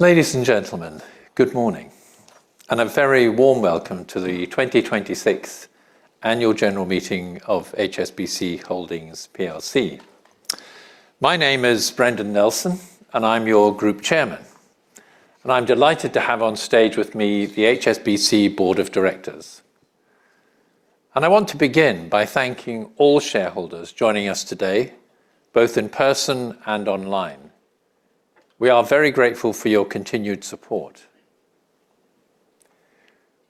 Ladies and gentlemen, good morning, and a very warm welcome to the 2026 Annual General Meeting of HSBC Holdings PLC. My name is Brendan Nelson, I'm your Group Chairman. I'm delighted to have on stage with me the HSBC board of directors. I want to begin by thanking all shareholders joining us today, both in person and online. We are very grateful for your continued support.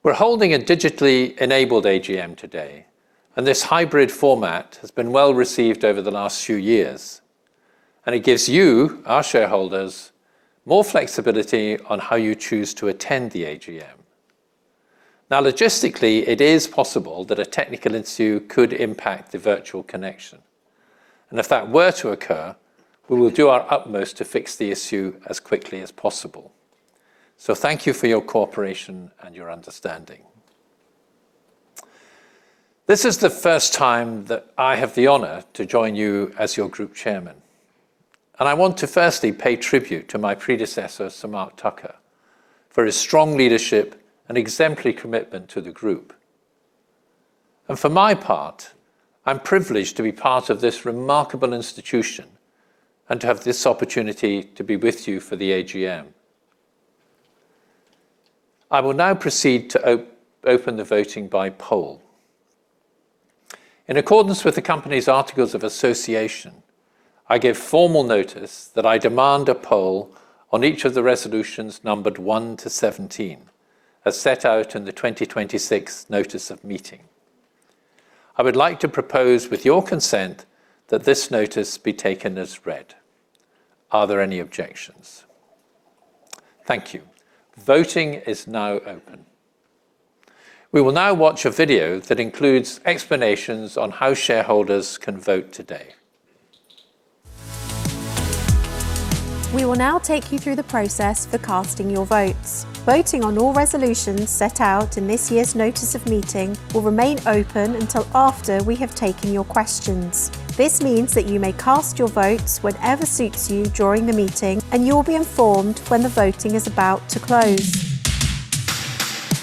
We're holding a digitally enabled AGM today. This hybrid format has been well-received over the last few years. It gives you, our shareholders, more flexibility on how you choose to attend the AGM. Now, logistically, it is possible that a technical issue could impact the virtual connection. If that were to occur, we will do our utmost to fix the issue as quickly as possible. Thank you for your cooperation and your understanding. This is the first time that I have the honor to join you as your Group Chairman, and I want to firstly pay tribute to my predecessor, Sir Mark Tucker, for his strong leadership and exemplary commitment to the group. For my part, I'm privileged to be part of this remarkable institution and to have this opportunity to be with you for the AGM. I will now proceed to open the voting by poll. In accordance with the company's articles of association, I give formal notice that I demand a poll on each of the resolutions numbered one to 17, as set out in the 2026 Notice of Meeting. I would like to propose, with your consent, that this notice be taken as read. Are there any objections? Thank you. Voting is now open. We will now watch a video that includes explanations on how shareholders can vote today. We will now take you through the process for casting your votes. Voting on all resolutions set out in this year's Notice of Meeting will remain open until after we have taken your questions. This means that you may cast your votes whenever suits you during the meeting, and you'll be informed when the voting is about to close.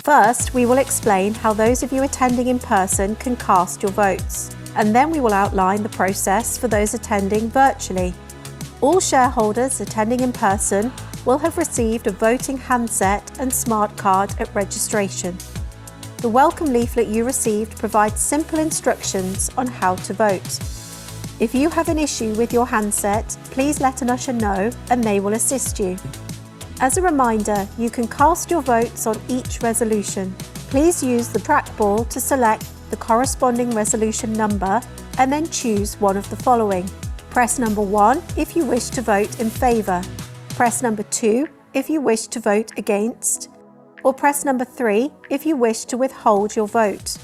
First, we will explain how those of you attending in person can cast your votes, and then we will outline the process for those attending virtually. All shareholders attending in person will have received a voting handset and smartcard at registration. The welcome leaflet you received provides simple instructions on how to vote. If you have an issue with your handset, please let an usher know, and they will assist you. As a reminder, you can cast your votes on each resolution. Please use the trackball to select the corresponding resolution number and then choose one of the following. Press number one if you wish to vote in favor, press number two if you wish to vote against, or press number three if you wish to withhold your vote.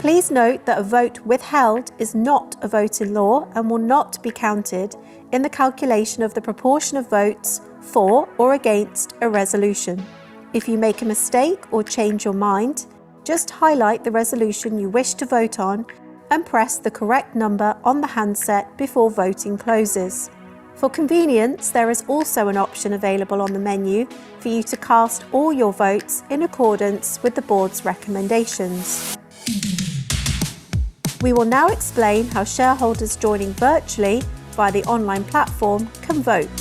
Please note that a vote withheld is not a vote in law and will not be counted in the calculation of the proportion of votes for or against a resolution. If you make a mistake or change your mind, just highlight the resolution you wish to vote on and press the correct number on the handset before voting closes. For convenience, there is also an option available on the menu for you to cast all your votes in accordance with the board's recommendations. We will now explain how shareholders joining virtually via the online platform can vote.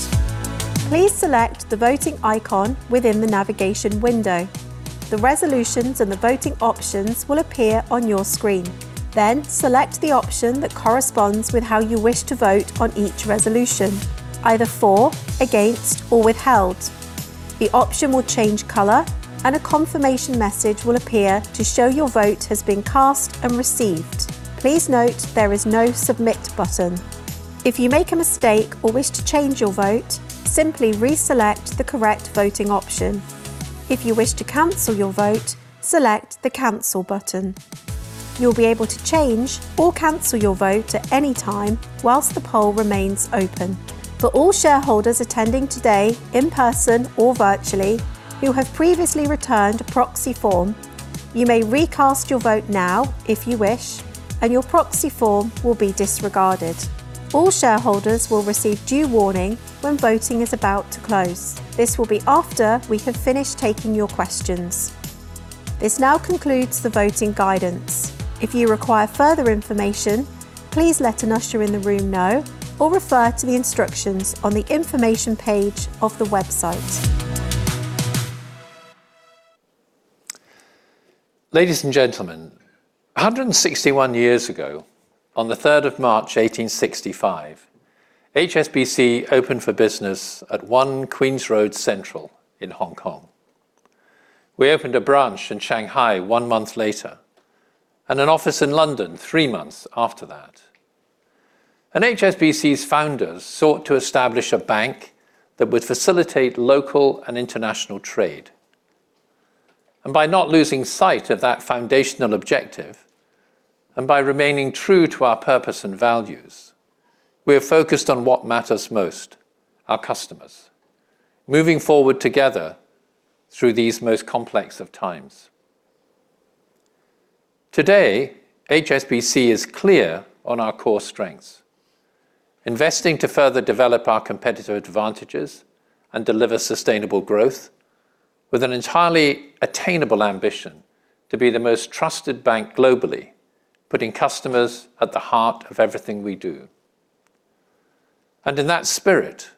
Please select the voting icon within the navigation window. The resolutions and the voting options will appear on your screen. Select the option that corresponds with how you wish to vote on each resolution, either for, against, or withheld. The option will change color, and a confirmation message will appear to show your vote has been cast and received. Please note there is no Submit button. If you make a mistake or wish to change your vote, simply reselect the correct voting option. If you wish to cancel your vote, select the Cancel button. You'll be able to change or cancel your vote at any time whilst the poll remains open. For all shareholders attending today, in person or virtually, who have previously returned a proxy form, you may recast your vote now if you wish, and your proxy form will be disregarded. All shareholders will receive due warning when voting is about to close. This will be after we have finished taking your questions. This now concludes the voting guidance. If you require further information, please let an usher in the room know or refer to the instructions on the Information page of the website. Ladies and gentlemen, 161 years ago, on the 3rd of March, 1865, HSBC opened for business at One Queen's Road Central in Hong Kong. We opened a branch in Shanghai one month later and an office in London three months after that. HSBC's founders sought to establish a bank that would facilitate local and international trade. By not losing sight of that foundational objective, and by remaining true to our purpose and values, we are focused on what matters most, our customers, moving forward together through these most complex of times. Today, HSBC is clear on our core strengths. Investing to further develop our competitive advantages and deliver sustainable growth with an entirely attainable ambition to be the most trusted bank globally, putting customers at the heart of everything we do. In that spirit,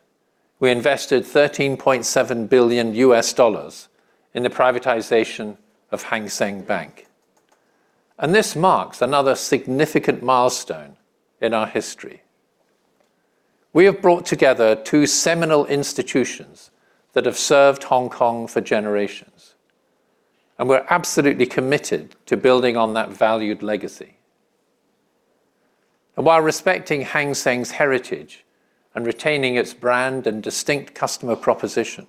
we invested $13.7 billion in the privatization of Hang Seng Bank. This marks another significant milestone in our history. We have brought together two seminal institutions that have served Hong Kong for generations, and we're absolutely committed to building on that valued legacy. While respecting Hang Seng's heritage and retaining its brand and distinct customer proposition,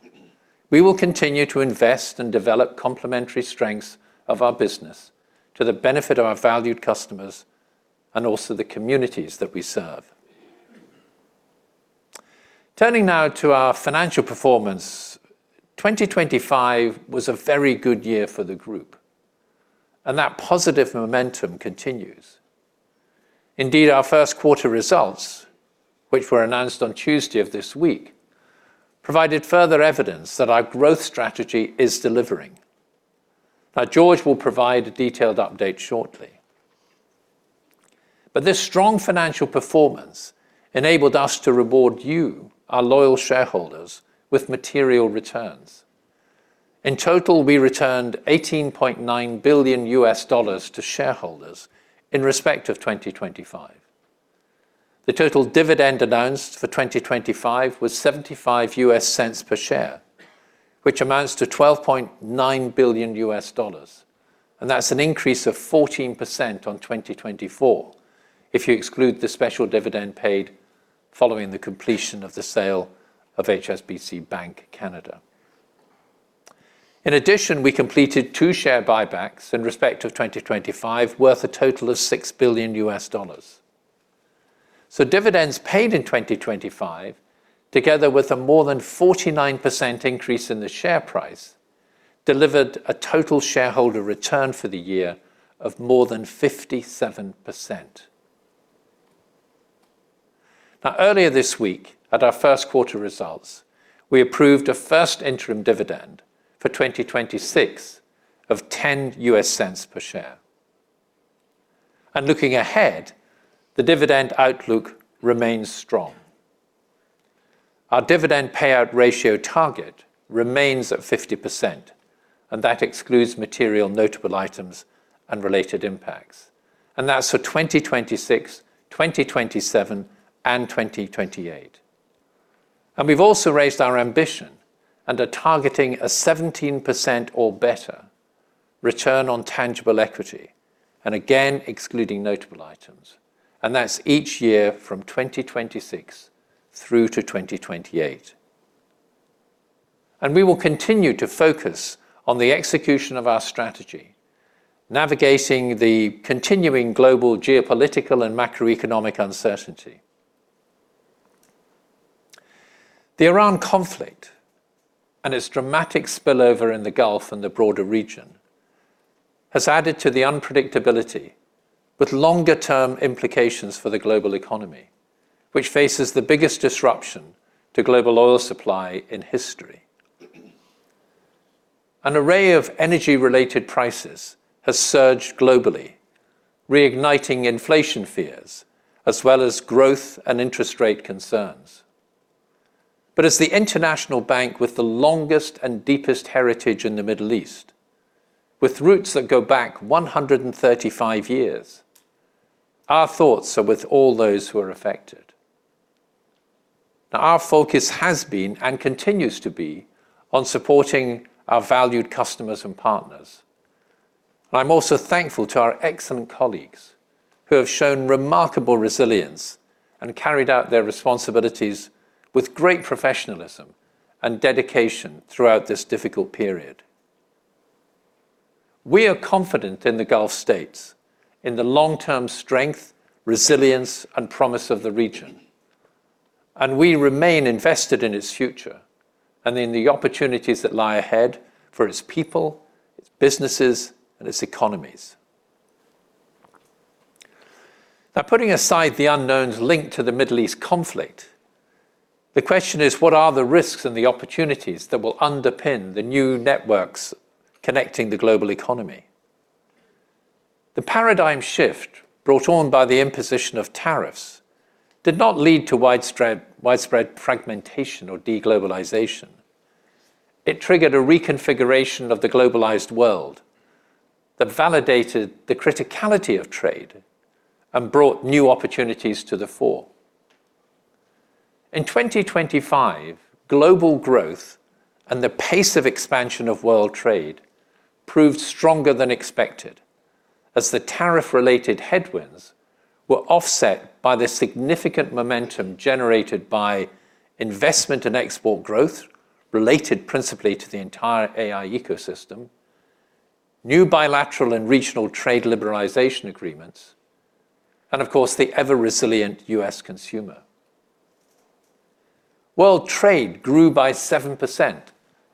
we will continue to invest and develop complementary strengths of our business to the benefit of our valued customers and also the communities that we serve. Turning now to our financial performance. 2025 was a very good year for the group, and that positive momentum continues. Indeed, our first quarter results, which were announced on Tuesday of this week, provided further evidence that our growth strategy is delivering. Now, Georges will provide a detailed update shortly. This strong financial performance enabled us to reward you, our loyal shareholders, with material returns. In total, we returned $18.9 billion to shareholders in respect of 2025. The total dividend announced for 2025 was $0.75 per share, which amounts to $12.9 billion, and that's an increase of 14% on 2024 if you exclude the special dividend paid following the completion of the sale of HSBC Bank Canada. In addition, we completed two share buybacks in respect of 2025 worth a total of $6 billion. Dividends paid in 2025, together with a more than 49% increase in the share price, delivered a total shareholder return for the year of more than 57%. Earlier this week at our first quarter results, we approved a first interim dividend for 2026 of $0.10 per share. Looking ahead, the dividend outlook remains strong. Our dividend payout ratio target remains at 50%, that excludes material notable items and related impacts. That's for 2026, 2027, and 2028. We've also raised our ambition and are targeting a 17% or better return on tangible equity, again excluding notable items. That's each year from 2026 through to 2028. We will continue to focus on the execution of our strategy, navigating the continuing global geopolitical and macroeconomic uncertainty. The Iran conflict and its dramatic spillover in the Gulf and the broader region has added to the unpredictability with longer-term implications for the global economy, which faces the biggest disruption to global oil supply in history. An array of energy-related prices has surged globally, reigniting inflation fears as well as growth and interest rate concerns. As the international bank with the longest and deepest heritage in the Middle East, with roots that go back 135 years, our thoughts are with all those who are affected. Our focus has been and continues to be on supporting our valued customers and partners. I'm also thankful to our excellent colleagues who have shown remarkable resilience and carried out their responsibilities with great professionalism and dedication throughout this difficult period. We are confident in the Gulf States in the long-term strength, resilience, and promise of the region, and we remain invested in its future and in the opportunities that lie ahead for its people, its businesses, and its economies. Now, putting aside the unknowns linked to the Middle East conflict, the question is, what are the risks and the opportunities that will underpin the new networks connecting the global economy? The paradigm shift brought on by the imposition of tariffs did not lead to widespread fragmentation or de-globalization. It triggered a reconfiguration of the globalized world that validated the criticality of trade and brought new opportunities to the fore. In 2025, global growth and the pace of expansion of world trade proved stronger than expected as the tariff-related headwinds were offset by the significant momentum generated by investment and export growth related principally to the entire AI ecosystem, new bilateral and regional trade liberalization agreements, and of course, the ever-resilient U.S. consumer. World trade grew by 7%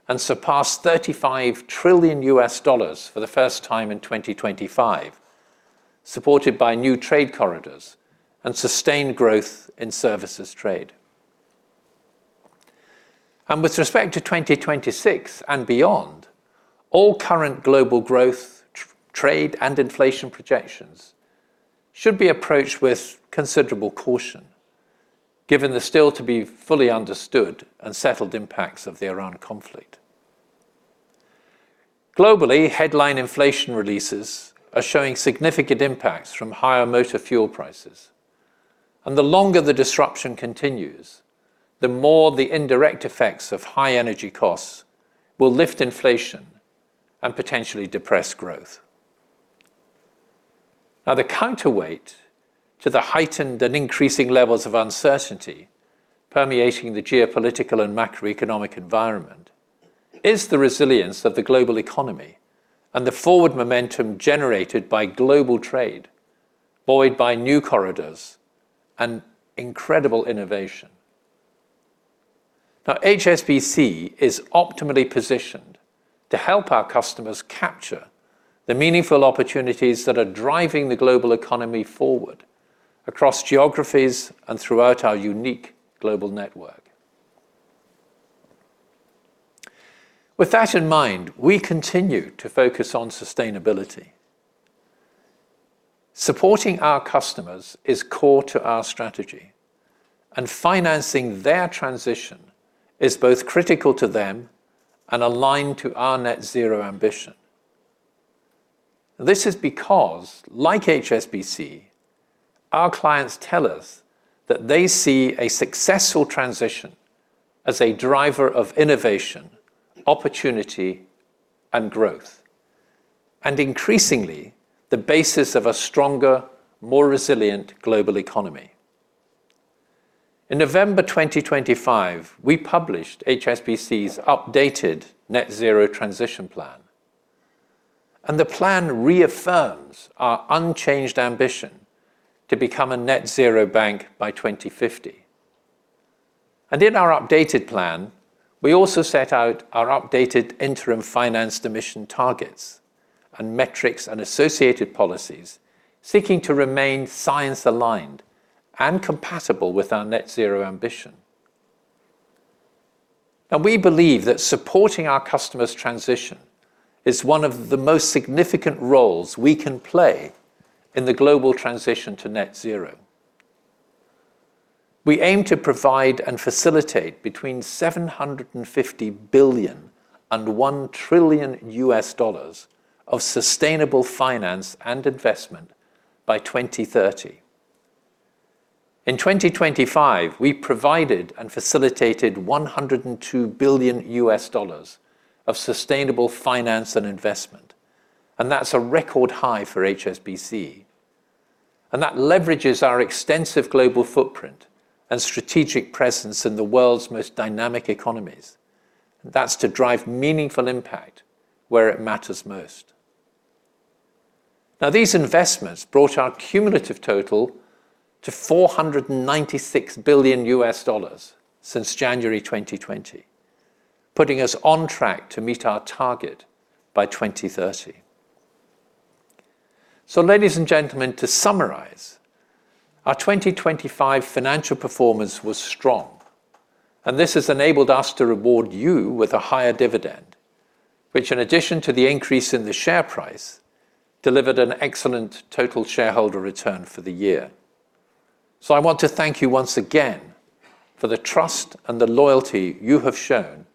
and surpassed $35 trillion for the first time in 2025, supported by new trade corridors and sustained growth in services trade. With respect to 2026 and beyond, all current global growth, trade, and inflation projections should be approached with considerable caution given the still to be fully understood and settled impacts of the Iran conflict. Globally, headline inflation releases are showing significant impacts from higher motor fuel prices. The longer the disruption continues, the more the indirect effects of high energy costs will lift inflation and potentially depress growth. The counterweight to the heightened and increasing levels of uncertainty permeating the geopolitical and macroeconomic environment is the resilience of the global economy and the forward momentum generated by global trade, buoyed by new corridors and incredible innovation. HSBC is optimally positioned to help our customers capture the meaningful opportunities that are driving the global economy forward across geographies and throughout our unique global network. With that in mind, we continue to focus on sustainability. Supporting our customers is core to our strategy, and financing their transition is both critical to them and aligned to our net zero ambition. This is because, like HSBC, our clients tell us that they see a successful transition as a driver of innovation, opportunity, and growth, and increasingly, the basis of a stronger, more resilient global economy. In November 2025, we published HSBC's updated net zero transition plan. The plan reaffirms our unchanged ambition to become a net zero bank by 2050. In our updated plan, we also set out our updated interim finance emission targets and metrics and associated policies, seeking to remain science-aligned and compatible with our net zero ambition. Now, we believe that supporting our customers' transition is one of the most significant roles we can play in the global transition to net zero. We aim to provide and facilitate between $750 billion and $1 trillion of sustainable finance and investment by 2030. In 2025, we provided and facilitated $102 billion of sustainable finance and investment, and that's a record high for HSBC. That leverages our extensive global footprint and strategic presence in the world's most dynamic economies. That's to drive meaningful impact where it matters most. These investments brought our cumulative total to $496 billion since January 2020, putting us on track to meet our target by 2030. Ladies and gentlemen, to summarize, our 2025 financial performance was strong, and this has enabled us to reward you with a higher dividend, which in addition to the increase in the share price, delivered an excellent total shareholder return for the year. I want to thank you once again for the trust and the loyalty you have shown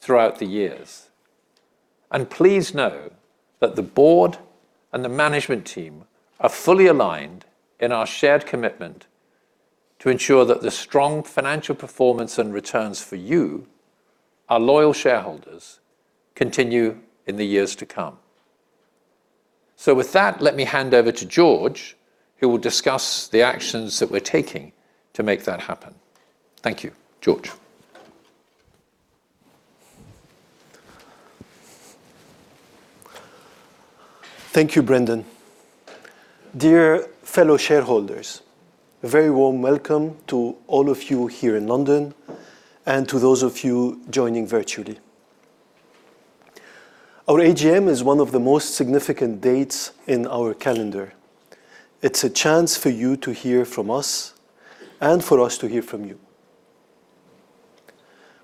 throughout the years. Please know that the board and the management team are fully aligned in our shared commitment to ensure that the strong financial performance and returns for you, our loyal shareholders, continue in the years to come. With that, let me hand over to Georges, who will discuss the actions that we're taking to make that happen. Thank you. Georges. Thank you, Brendan. Dear fellow shareholders, a very warm welcome to all of you here in London and to those of you joining virtually. Our AGM is one of the most significant dates in our calendar. It's a chance for you to hear from us and for us to hear from you.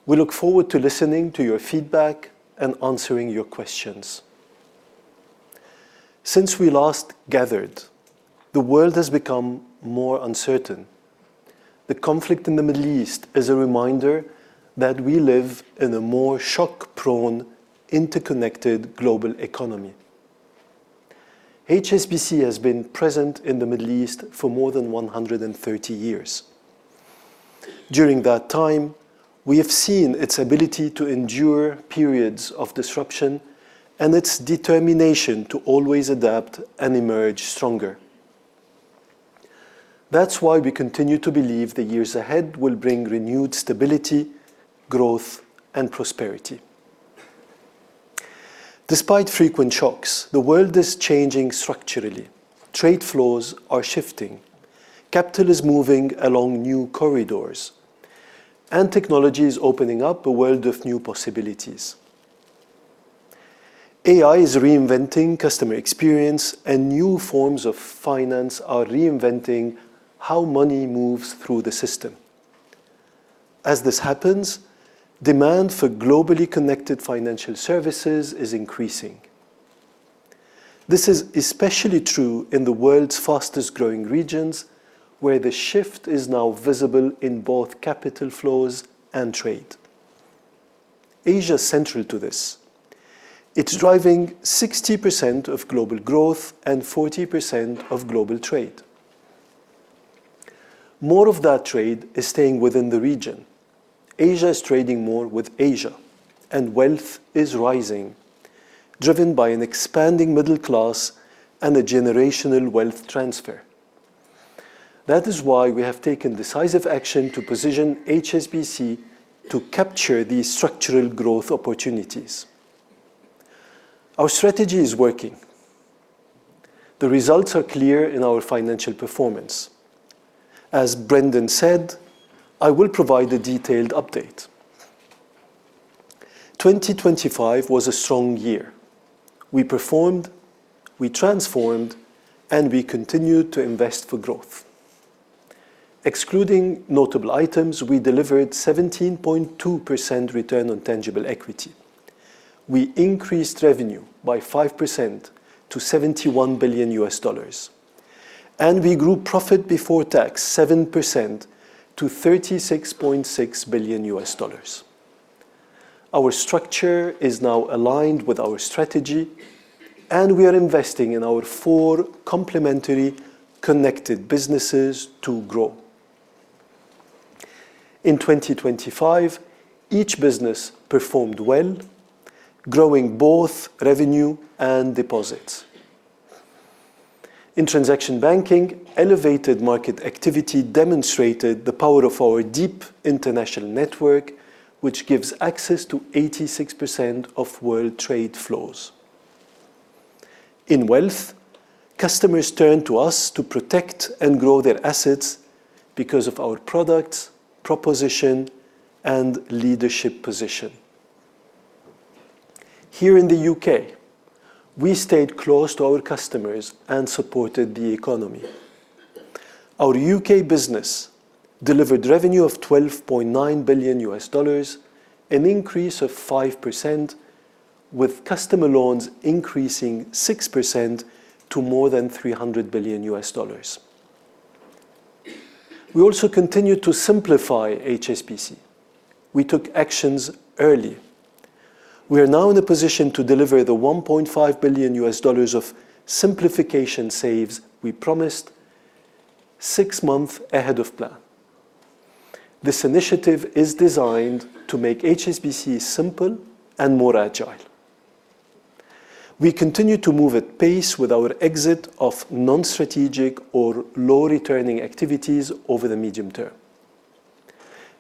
We look forward to listening to your feedback and answering your questions. Since we last gathered, the world has become more uncertain. The conflict in the Middle East is a reminder that we live in a more shock-prone, interconnected global economy. HSBC has been present in the Middle East for more than 130 years. During that time, we have seen its ability to endure periods of disruption and its determination to always adapt and emerge stronger. That's why we continue to believe the years ahead will bring renewed stability, growth, and prosperity. Despite frequent shocks, the world is changing structurally. Trade flows are shifting. Capital is moving along new corridors, and technology is opening up a world of new possibilities. AI is reinventing customer experience, and new forms of finance are reinventing how money moves through the system. As this happens, demand for globally connected financial services is increasing. This is especially true in the world's fastest-growing regions, where the shift is now visible in both capital flows and trade. Asia is central to this. It's driving 60% of global growth and 40% of global trade. More of that trade is staying within the region. Asia is trading more with Asia and wealth is rising, driven by an expanding middle class and a generational wealth transfer. That is why we have taken decisive action to position HSBC to capture these structural growth opportunities. Our strategy is working. The results are clear in our financial performance. As Brendan said, I will provide a detailed update. 2025 was a strong year. We performed, we transformed, and we continued to invest for growth. Excluding notable items, we delivered 17.2% return on tangible equity. We increased revenue by 5% to $71 billion, and we grew profit before tax 7% to $36.6 billion. Our structure is now aligned with our strategy, and we are investing in our four complementary connected businesses to grow. In 2025, each business performed well, growing both revenue and deposits. In transaction banking, elevated market activity demonstrated the power of our deep international network, which gives access to 86% of world trade flows. In wealth, customers turn to us to protect and grow their assets because of our products, proposition, and leadership position. Here in the U.K., we stayed close to our customers and supported the economy. Our U.K. business delivered revenue of $12.9 billion, an increase of 5%, with customer loans increasing 6% to more than $300 billion. We also continue to simplify HSBC. We took actions early. We are now in a position to deliver the $1.5 billion of simplification saves we promised 6 months ahead of plan. This initiative is designed to make HSBC simple and more agile. We continue to move at pace with our exit of non-strategic or low-returning activities over the medium term.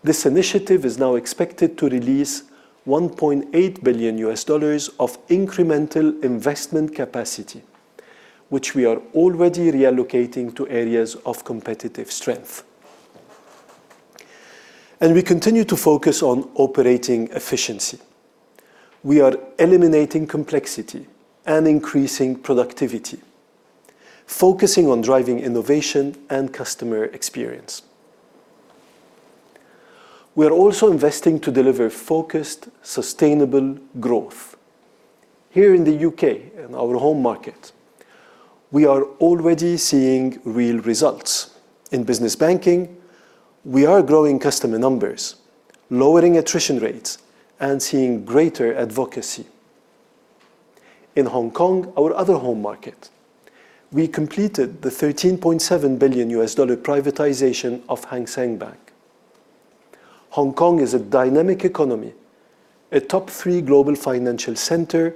This initiative is now expected to release $1.8 billion of incremental investment capacity, which we are already reallocating to areas of competitive strength. We continue to focus on operating efficiency. We are eliminating complexity and increasing productivity, focusing on driving innovation and customer experience. We are also investing to deliver focused, sustainable growth. Here in the U.K., in our home market, we are already seeing real results. In business banking, we are growing customer numbers, lowering attrition rates, and seeing greater advocacy. In Hong Kong, our other home market, we completed the $13.7 billion privatization of Hang Seng Bank. Hong Kong is a dynamic economy, a top three global financial center,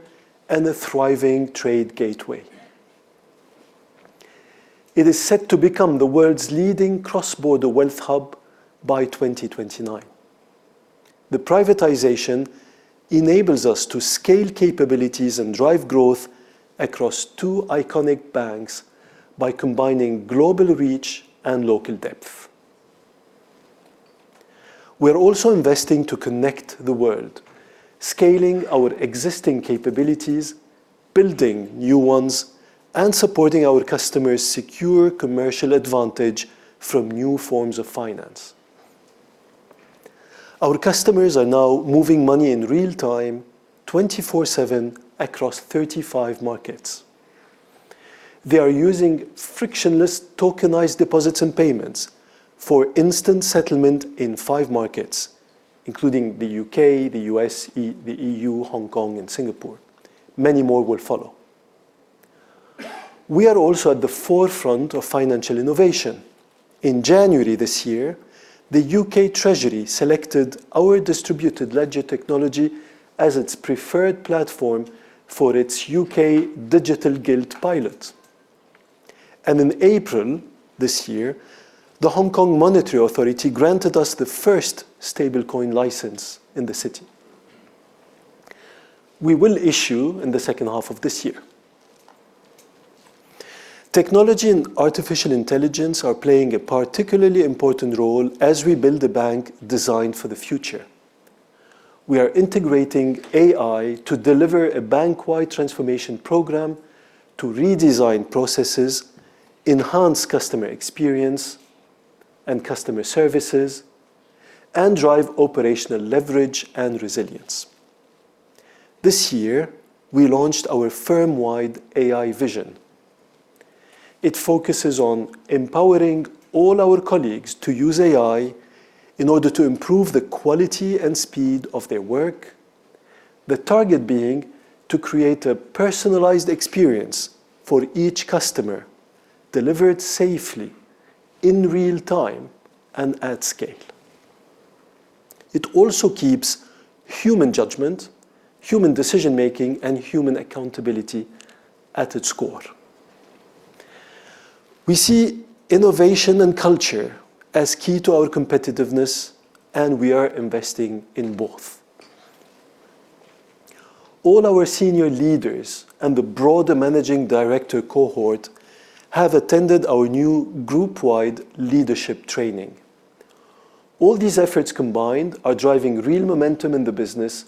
and a thriving trade gateway. It is set to become the world's leading cross-border wealth hub by 2029. The privatization enables us to scale capabilities and drive growth across two iconic banks by combining global reach and local depth. We are also investing to connect the world, scaling our existing capabilities, building new ones, and supporting our customers' secure commercial advantage from new forms of finance. Our customers are now moving money in real time, twenty-four seven, across 35 markets. They are using frictionless tokenized deposits and payments for instant settlement in five markets, including the U.K., the U.S., the EU, Hong Kong, and Singapore. Many more will follow. We are also at the forefront of financial innovation. In January this year, the U.K Treasury selected our distributed ledger technology as its preferred platform for its U.K. digital gilt pilot. In April this year, the Hong Kong Monetary Authority granted us the first stablecoin license in the city. We will issue in the second half of this year. Technology and artificial intelligence are playing a particularly important role as we build a bank designed for the future. We are integrating AI to deliver a bank-wide transformation program to redesign processes, enhance customer experience and customer services, and drive operational leverage and resilience. This year, we launched our firm-wide AI vision. It focuses on empowering all our colleagues to use AI in order to improve the quality and speed of their work, the target being to create a personalized experience for each customer, delivered safely, in real time, and at scale. It also keeps human judgment, human decision-making, and human accountability at its core. We see innovation and culture as key to our competitiveness, and we are investing in both. All our senior leaders and the broader managing director cohort have attended our new group-wide leadership training. All these efforts combined are driving real momentum in the business,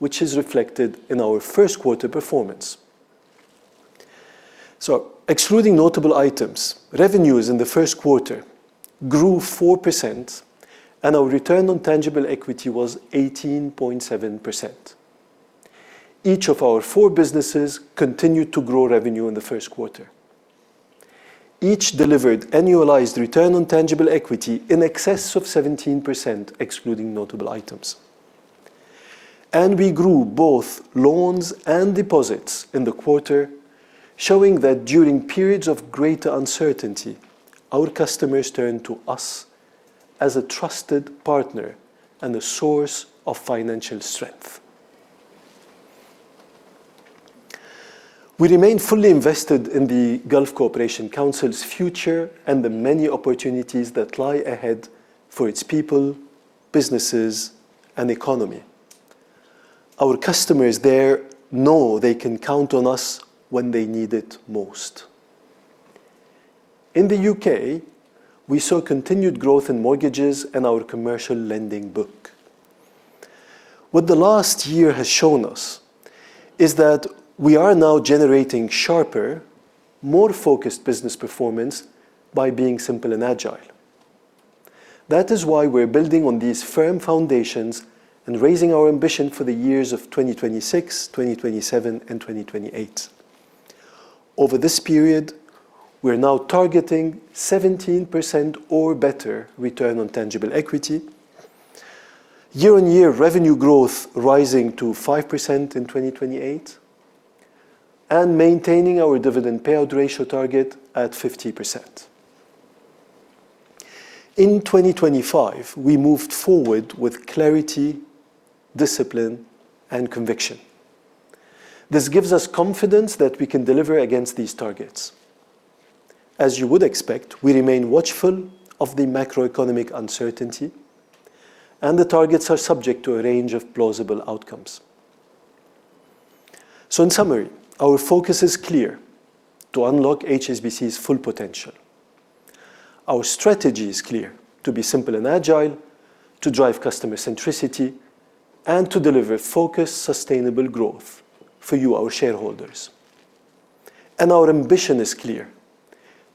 which is reflected in our first quarter performance. Excluding notable items, revenues in the first quarter grew 4%, and our return on tangible equity was 18.7%. Each of our four businesses continued to grow revenue in the first quarter. Each delivered annualized return on tangible equity in excess of 17%, excluding notable items. We grew both loans and deposits in the quarter, showing that during periods of greater uncertainty, our customers turn to us as a trusted partner and a source of financial strength. We remain fully invested in the Gulf Cooperation Council's future and the many opportunities that lie ahead for its people, businesses, and economy. Our customers there know they can count on us when they need it most. In the U.K., we saw continued growth in mortgages and our commercial lending book. What the last year has shown us is that we are now generating sharper, more focused business performance by being simple and agile. That is why we're building on these firm foundations and raising our ambition for the years of 2026, 2027, and 2028. Over this period, we're now targeting 17% or better return on tangible equity, year-on-year revenue growth rising to 5% in 2028, and maintaining our dividend payout ratio target at 50%. In 2025, we moved forward with clarity, discipline, and conviction. This gives us confidence that we can deliver against these targets. As you would expect, we remain watchful of the macroeconomic uncertainty, and the targets are subject to a range of plausible outcomes. In summary, our focus is clear: to unlock HSBC's full potential. Our strategy is clear: to be simple and agile, to drive customer centricity, and to deliver focused, sustainable growth for you, our shareholders. Our ambition is clear: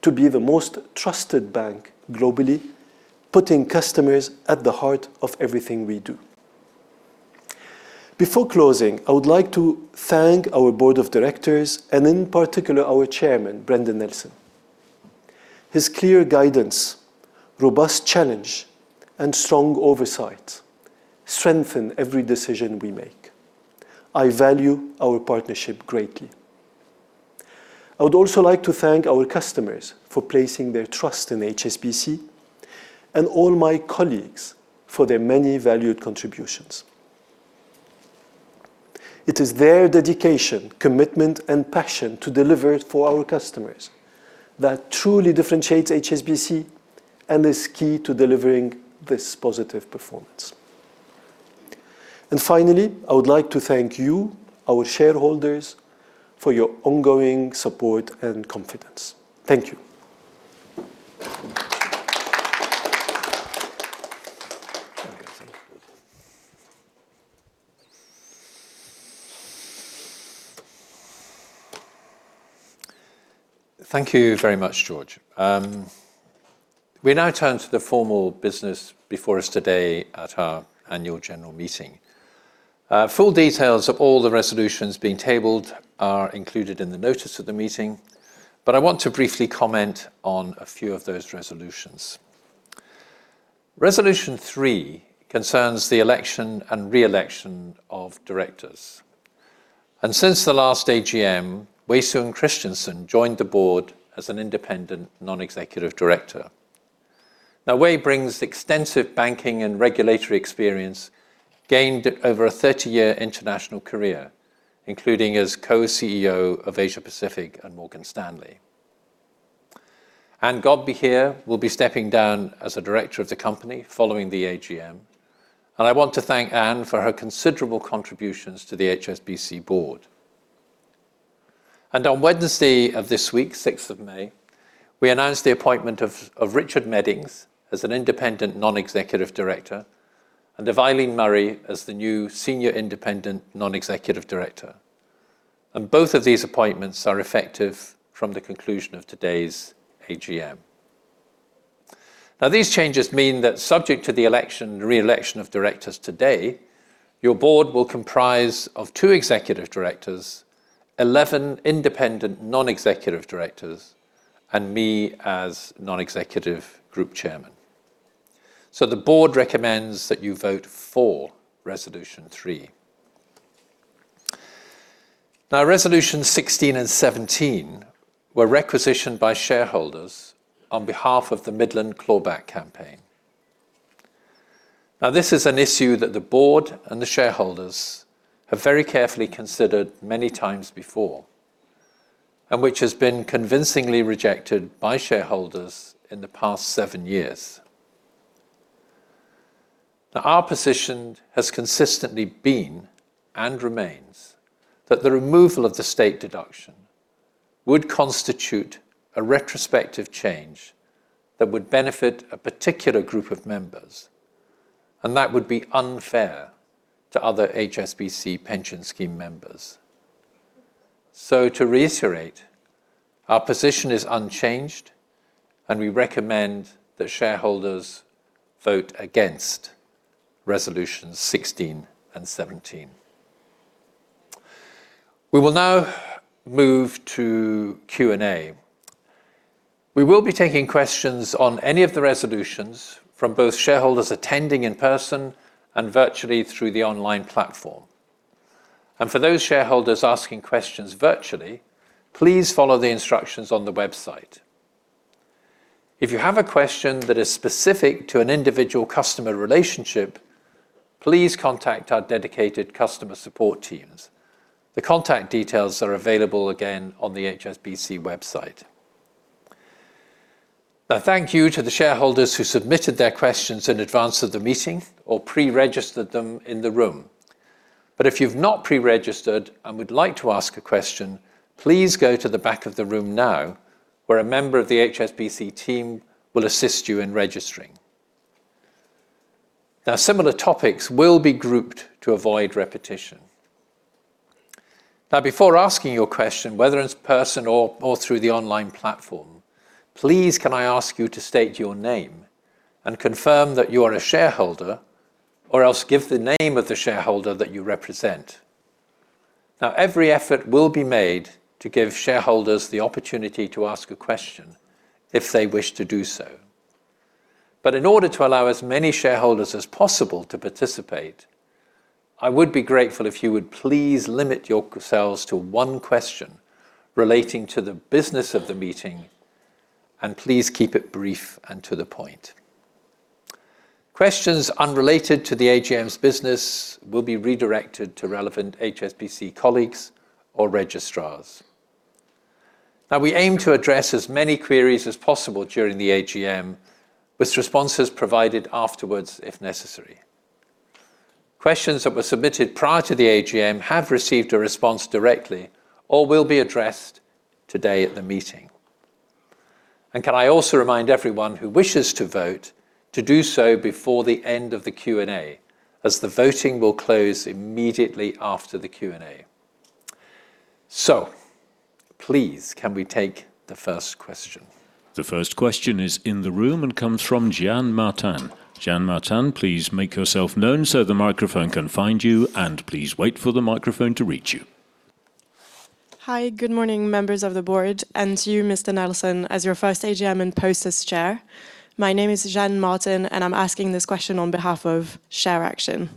to be the most trusted bank globally, putting customers at the heart of everything we do. Before closing, I would like to thank our board of directors and, in particular, our Chairman, Brendan Nelson. His clear guidance, robust challenge, and strong oversight strengthen every decision we make. I value our partnership greatly. I would also like to thank our customers for placing their trust in HSBC and all my colleagues for their many valued contributions. It is their dedication, commitment, and passion to deliver for our customers that truly differentiates HSBC and is key to delivering this positive performance. Finally, I would like to thank you, our shareholders, for your ongoing support and confidence. Thank you. Thank you very much, Georges. We now turn to the formal business before us today at our annual general meeting. Full details of all the resolutions being tabled are included in the notice of the meeting, but I want to briefly comment on a few of those resolutions. Resolution three concerns the election and re-election of directors. Since the last AGM, Wei Sun Christianson joined the board as an independent non-executive director. Now, Wei brings extensive banking and regulatory experience gained over a 30-year international career, including as co-CEO of Asia Pacific at Morgan Stanley. Ann Godbehere will be stepping down as a director of the company following the AGM, and I want to thank Ann for her considerable contributions to the HSBC board. On Wednesday of this week, 6th of May, we announced the appointment of Richard Meddings as an independent non-executive director and of Eileen Murray as the new senior independent non-executive director. Both of these appointments are effective from the conclusion of today's AGM. These changes mean that subject to the election, re-election of directors today, your board will comprise of two executive directors, 11 independent non-executive directors and me as Non-Executive Group Chairman. The board recommends that you vote for resolution three. Resolutions 16 and 17 were requisitioned by shareholders on behalf of the Midland Clawback Campaign. This is an issue that the board and the shareholders have very carefully considered many times before and which has been convincingly rejected by shareholders in the past seven years. Our position has consistently been, and remains, that the removal of the state deduction would constitute a retrospective change that would benefit a particular group of members, and that would be unfair to other HSBC pension scheme members. To reiterate, our position is unchanged, and we recommend that shareholders vote against resolutions 16 and 17. We will now move to Q&A. We will be taking questions on any of the resolutions from both shareholders attending in person and virtually through the online platform. For those shareholders asking questions virtually, please follow the instructions on the website. If you have a question that is specific to an individual customer relationship, please contact our dedicated customer support teams. The contact details are available again on the HSBC website. Thank you to the shareholders who submitted their questions in advance of the meeting or pre-registered them in the room. If you've not pre-registered and would like to ask a question, please go to the back of the room now where a member of the HSBC team will assist you in registering. Similar topics will be grouped to avoid repetition. Before asking your question, whether it's in person or through the online platform, please can I ask you to state your name and confirm that you are a shareholder, or else give the name of the shareholder that you represent. Every effort will be made to give shareholders the opportunity to ask a question if they wish to do so. In order to allow as many shareholders as possible to participate, I would be grateful if you would please limit yourselves to one question relating to the business of the meeting and please keep it brief and to the point. Questions unrelated to the AGM's business will be redirected to relevant HSBC colleagues or registrars. Now, we aim to address as many queries as possible during the AGM with responses provided afterwards if necessary. Questions that were submitted prior to the AGM have received a response directly or will be addressed today at the meeting. Can I also remind everyone who wishes to vote to do so before the end of the Q&A, as the voting will close immediately after the Q&A. Please can we take the first question? The first question is in the room and comes from Jeanne Martin. Jeanne Martin, please make yourself known so the microphone can find you and please wait for the microphone to reach you. Hi, good morning members of the board and to you, Mr. Nelson, as your first AGM in post as chair. My name is Jeanne Martin and I'm asking this question on behalf of ShareAction.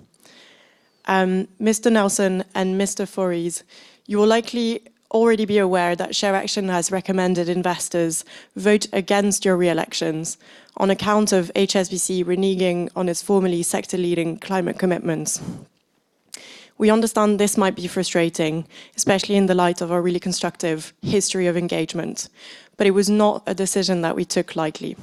Mr. Nelson and Mr. Forese, you will likely already be aware that ShareAction has recommended investors vote against your re-elections on account of HSBC reneging on its formerly sector leading climate commitments. We understand this might be frustrating, especially in the light of our really constructive history of engagement, it was not a decision that we took lightly.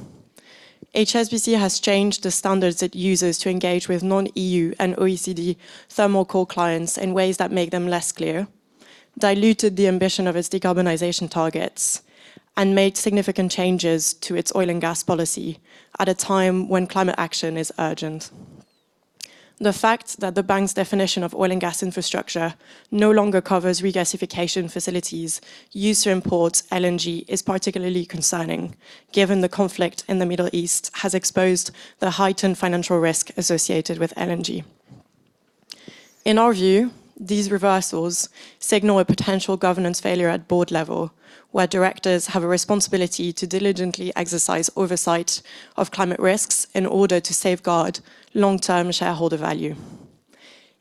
HSBC has changed the standards it uses to engage with non-EU and OECD thermal coal clients in ways that make them less clear, diluted the ambition of its decarbonization targets, and made significant changes to its oil and gas policy at a time when climate action is urgent. The fact that the bank's definition of oil and gas infrastructure no longer covers regasification facilities used to import LNG is particularly concerning given the conflict in the Middle East has exposed the heightened financial risk associated with LNG. In our view, these reversals signal a potential governance failure at board level where directors have a responsibility to diligently exercise oversight of climate risks in order to safeguard long-term shareholder value.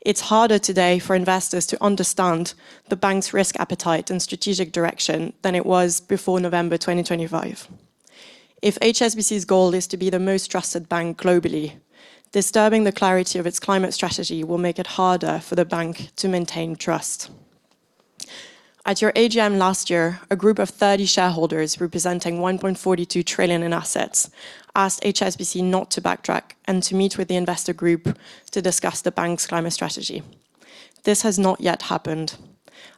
It's harder today for investors to understand the bank's risk appetite and strategic direction than it was before November 2025. If HSBC's goal is to be the most trusted bank globally, disturbing the clarity of its climate strategy will make it harder for the bank to maintain trust. At your AGM last year, a group of 30 shareholders representing $1.42 trillion in assets asked HSBC not to backtrack and to meet with the investor group to discuss the bank's climate strategy. This has not yet happened.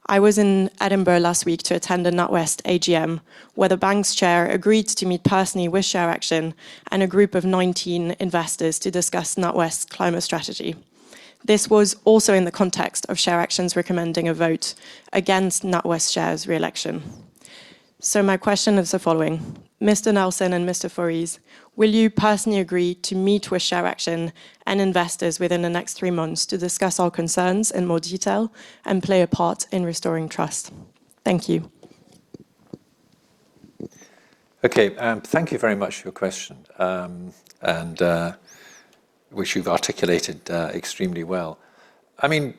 I was in Edinburgh last week to attend a NatWest AGM where the bank's chair agreed to meet personally with ShareAction and a group of 19 investors to discuss NatWest's climate strategy. This was also in the context of ShareAction's recommending a vote against NatWest chair's re-election. My question is the following: Mr. Nelson and Mr. Forese, will you personally agree to meet with ShareAction and investors within the next three months to discuss our concerns in more detail and play a part in restoring trust? Thank you. Okay, thank you very much for your question, and which you've articulated extremely well. I mean,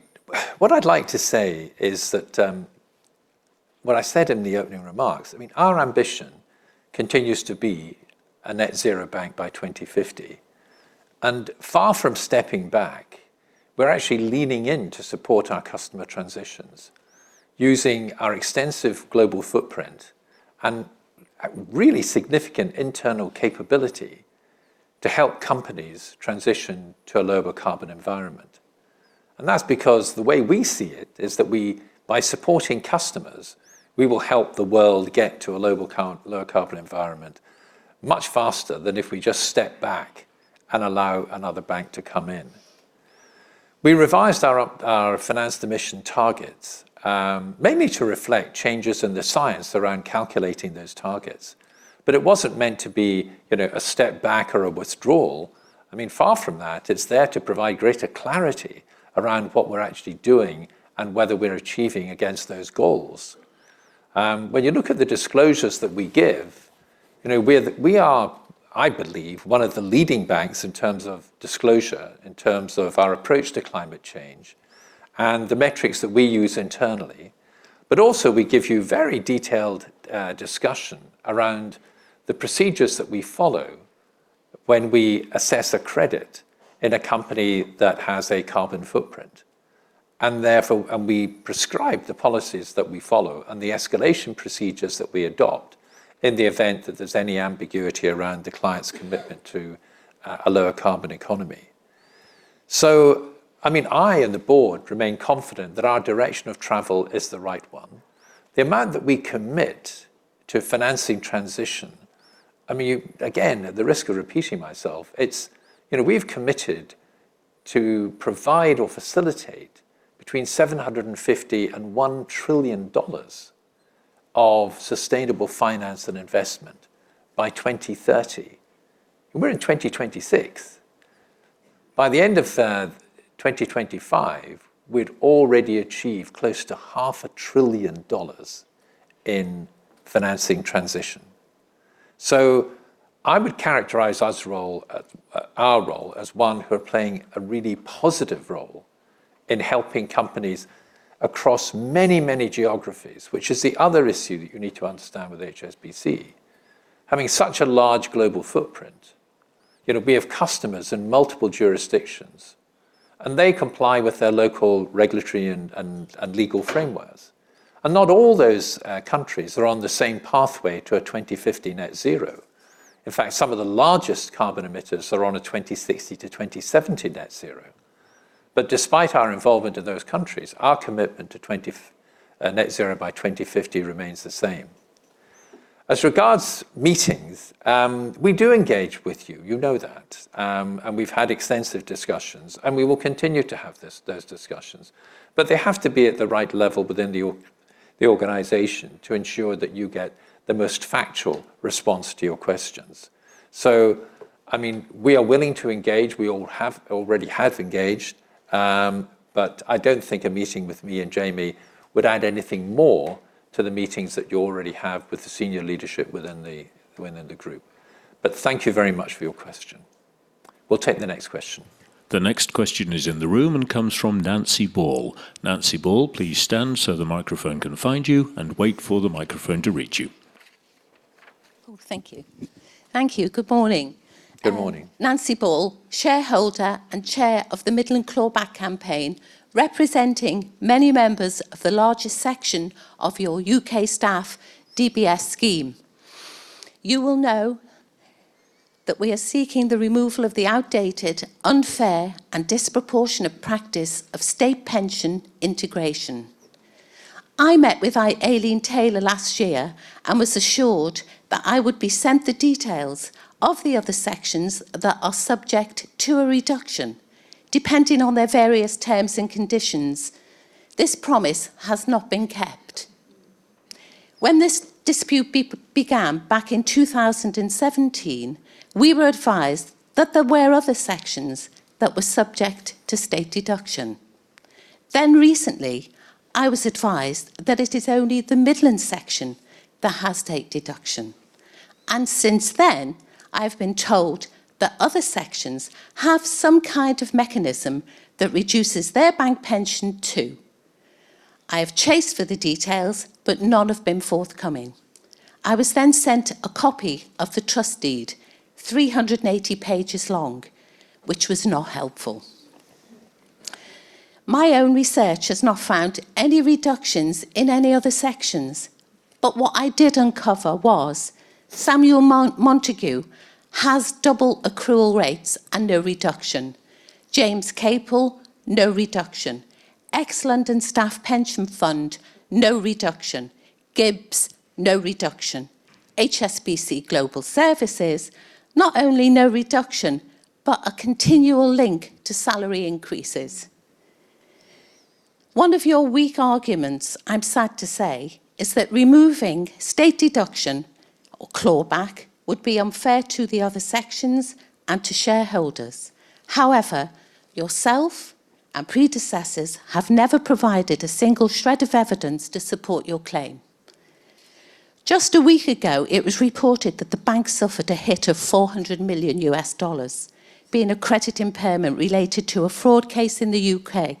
what I'd like to say is that, what I said in the opening remarks, I mean, our ambition continues to be a net zero bank by 2050, and far from stepping back, we're actually leaning in to support our customer transitions using our extensive global footprint and a really significant internal capability to help companies transition to a lower carbon environment. That's because the way we see it is that we, by supporting customers, we will help the world get to a lower carbon environment much faster than if we just step back and allow another bank to come in. We revised our financed emission targets, mainly to reflect changes in the science around calculating those targets. It wasn't meant to be, you know, a step back or a withdrawal. I mean, far from that. It's there to provide greater clarity around what we're actually doing and whether we are achieving against those goals. When you look at the disclosures that we give, you know, I believe, one of the leading banks in terms of disclosure, in terms of our approach to climate change and the metrics that we use internally. We give you very detailed discussion around the procedures that we follow when we assess a credit in a company that has a carbon footprint, and therefore we prescribe the policies that we follow and the escalation procedures that we adopt in the event that there's any ambiguity around the client's commitment to a lower carbon economy. I mean, I and the Board remain confident that our direction of travel is the right one. The amount that we commit to financing transition, I mean, again, at the risk of repeating myself, it's you know, we've committed to provide or facilitate between $750 and $1 trillion of sustainable finance and investment by 2030. We're in 2026. By the end of 2025, we'd already achieved close to half a trillion dollars in financing transition. I would characterize our role as one who are playing a really positive role in helping companies across many, many geographies, which is the other issue that you need to understand with HSBC. Having such a large global footprint, you know, we have customers in multiple jurisdictions, and they comply with their local regulatory and legal frameworks. Not all those countries are on the same pathway to a 2050 net zero. In fact, some of the largest carbon emitters are on a 2060 to 2070 net zero. Despite our involvement in those countries, our commitment to net zero by 2050 remains the same. As regards meetings, we do engage with you know that. We've had extensive discussions, and we will continue to have those discussions. They have to be at the right level within the organization to ensure that you get the most factual response to your questions. I mean, we are willing to engage. We already have engaged. I don't think a meeting with me and Jamie would add anything more to the meetings that you already have with the senior leadership within the group. Thank you very much for your question. We'll take the next question. The next question is in the room and comes from Nancy Ball. Nancy Ball, please stand so the microphone can find you and wait for the microphone to reach you. Oh, thank you. Thank you. Good morning. Good morning. Nancy Ball, shareholder and chair of the Midland Clawback Campaign, representing many members of the largest section of your U.K. staff DBS scheme. You will know that we are seeking the removal of the outdated, unfair, and disproportionate practice of state pension integration. I met with Aileen Taylor last year and was assured that I would be sent the details of the other sections that are subject to a reduction depending on their various terms and conditions. This promise has not been kept. When this dispute began back in 2017, we were advised that there were other sections that were subject to state deduction. Recently, I was advised that it is only the Midland section that has state deduction. Since then, I've been told that other sections have some kind of mechanism that reduces their bank pension too. I have chased for the details, but none have been forthcoming. I was sent a copy of the trust deed, 380 pages long, which was not helpful. My own research has not found any reductions in any other sections, what I did uncover was Samuel Montagu has double accrual rates and no reduction. James Capel, no reduction. Ex-London Staff Pension Fund, no reduction. Gibbs, no reduction. HSBC Global Services, not only no reduction, a continual link to salary increases. One of your weak arguments, I'm sad to say, is that removing state deduction or clawback would be unfair to the other sections and to shareholders. Yourself and predecessors have never provided a single shred of evidence to support your claim. Just a week ago, it was reported that the bank suffered a hit of $400 million, being a credit impairment related to a fraud case in the UK.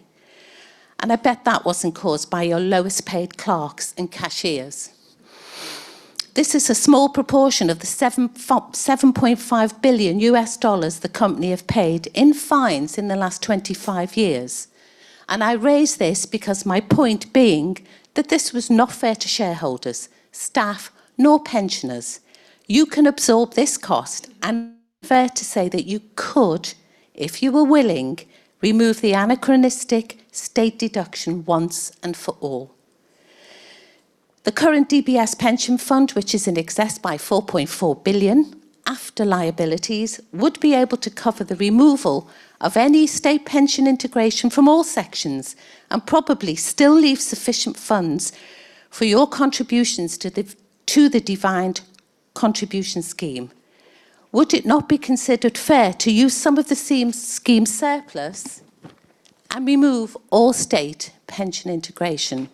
I bet that wasn't caused by your lowest paid clerks and cashiers. This is a small proportion of the $7.5 billion the company have paid in fines in the last 25 years. I raise this because my point being that this was not fair to shareholders, staff, nor pensioners. You can absorb this cost, and fair to say that you could, if you were willing, remove the anachronistic state deduction once and for all. The current DB pension fund, which is in excess by $4.4 billion after liabilities, would be able to cover the removal of any state pension integration from all sections and probably still leave sufficient funds for your contributions to the defined contribution scheme. Would it not be considered fair to use some of the same scheme surplus and remove all state pension integration?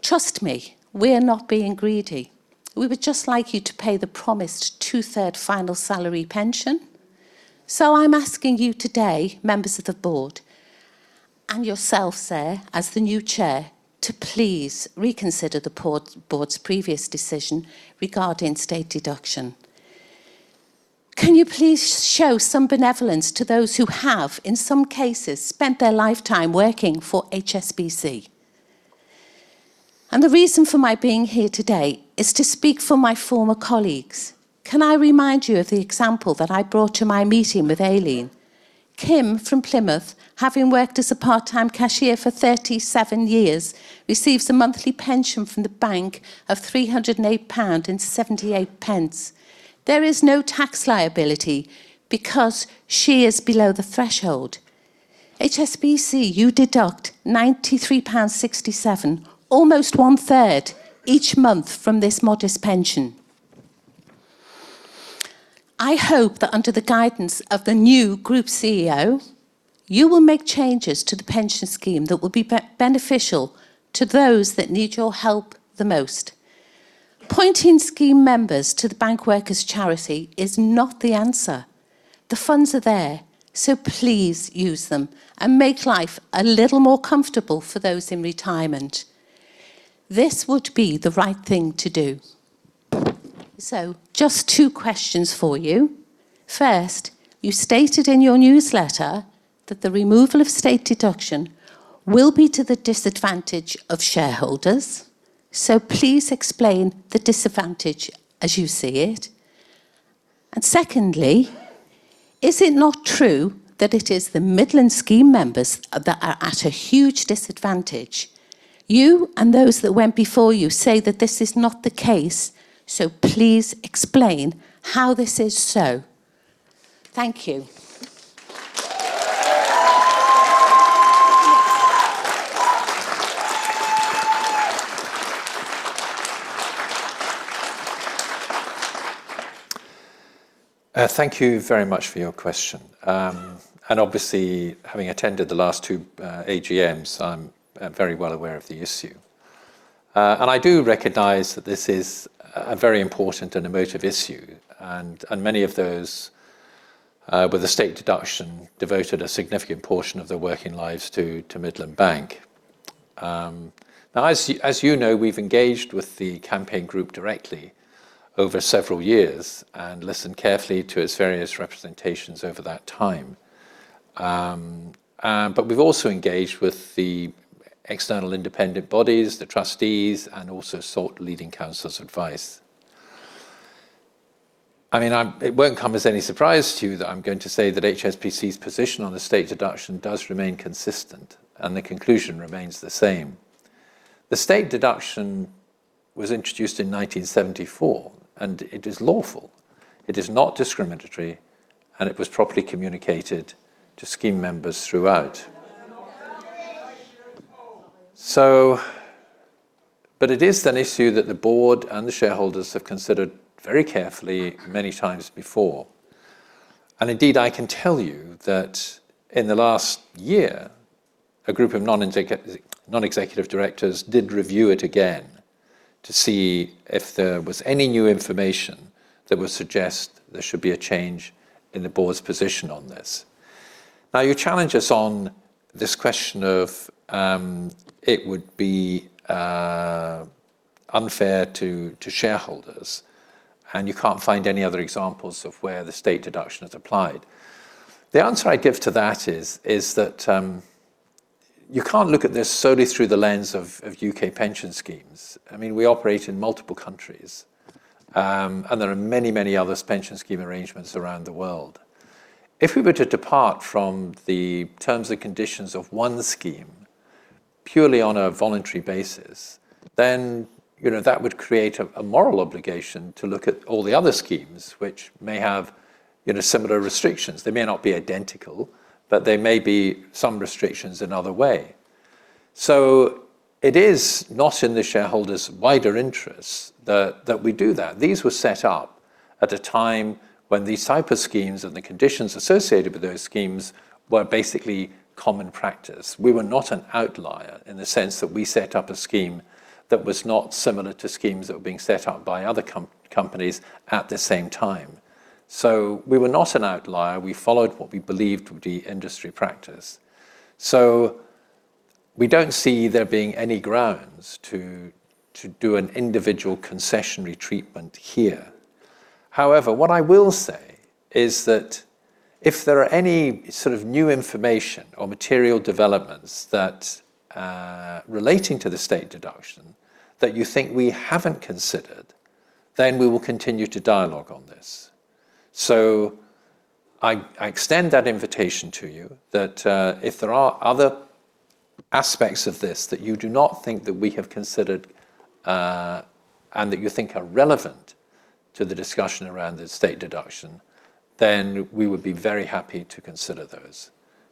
Trust me, we're not being greedy. We would just like you to pay the promised two-third final salary pension. I'm asking you today, members of the board, and yourself, sir, as the new chair, to please reconsider the board's previous decision regarding state deduction. Can you please show some benevolence to those who have, in some cases, spent their lifetime working for HSBC? The reason for my being here today is to speak for my former colleagues. Can I remind you of the example that I brought to my meeting with Aileen? Kim from Plymouth, having worked as a part-time cashier for 37 years, receives a monthly pension from the bank of 308.78 pound. There is no tax liability because she is below the threshold. HSBC, you deduct 93.67 pounds, almost one third, each month from this modest pension. I hope that under the guidance of the new Group CEO, you will make changes to the pension scheme that will be beneficial to those that need your help the most. Pointing scheme members to the Bank Workers Charity is not the answer. The funds are there, please use them and make life a little more comfortable for those in retirement. This would be the right thing to do. Just two questions for you. First, you stated in your newsletter that the removal of State Deduction will be to the disadvantage of shareholders, so please explain the disadvantage as you see it. Secondly, is it not true that it is the Midland scheme members that are at a huge disadvantage? You and those that went before you say that this is not the case, so please explain how this is so. Thank you. Thank you very much for your question. Obviously, having attended the last two AGMs, I'm very well aware of the issue. I do recognize that this is a very important and emotive issue and many of those with the state deduction devoted a significant portion of their working lives to Midland Bank. Now, as you know, we've engaged with the campaign group directly over several years and listened carefully to its various representations over that time. We've also engaged with the external independent bodies, the trustees, and also sought leading counsel's advice. I mean, it won't come as any surprise to you that I'm going to say that HSBC's position on the state deduction does remain consistent, and the conclusion remains the same. The state deduction was introduced in 1974, and it is lawful. It is not discriminatory, and it was properly communicated to scheme members throughout. It is an issue that the board and the shareholders have considered very carefully many times before. Indeed, I can tell you that in the last year, a group of non-executive directors did review it again to see if there was any new information that would suggest there should be a change in the board's position on this. Now, you challenge us on this question of it would be unfair to shareholders, and you can't find any other examples of where the state deduction is applied. The answer I give to that is that you can't look at this solely through the lens of U.K. pension schemes. I mean, we operate in multiple countries, and there are many, many other pension scheme arrangements around the world. If we were to depart from the terms and conditions of one scheme purely on a voluntary basis, then, you know, that would create a moral obligation to look at all the other schemes which may have, you know, similar restrictions. They may not be identical, but there may be some restrictions in other way. It is not in the shareholders' wider interests that we do that. These were set up at a time when these type of schemes and the conditions associated with those schemes were basically common practice. We were not an outlier in the sense that we set up a scheme that was not similar to schemes that were being set up by other companies at the same time. We were not an outlier. We followed what we believed would be industry practice. We don't see there being any grounds to do an individual concessionary treatment here. However, what I will say is that if there are any sort of new information or material developments that relating to the state deduction that you think we haven't considered, then we will continue to dialogue on this. I extend that invitation to you that if there are other aspects of this that you do not think that we have considered, and that you think are relevant to the discussion around the state deduction, then we would be very happy to consider those.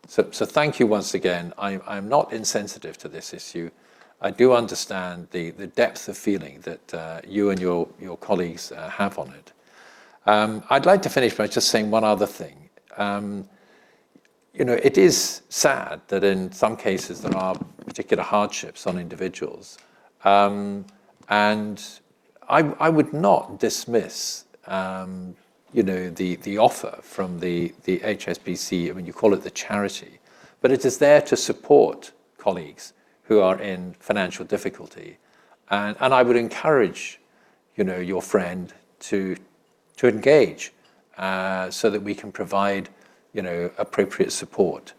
Thank you once again. I am not insensitive to this issue. I do understand the depth of feeling that you and your colleagues have on it. I'd like to finish by just saying one other thing. You know, it is sad that in some cases there are particular hardships on individuals. I would not dismiss, you know, the offer from the HSBC. I mean, you call it the charity, but it is there to support colleagues who are in financial difficulty. I would encourage, you know, your friend to engage so that we can provide, you know, appropriate support.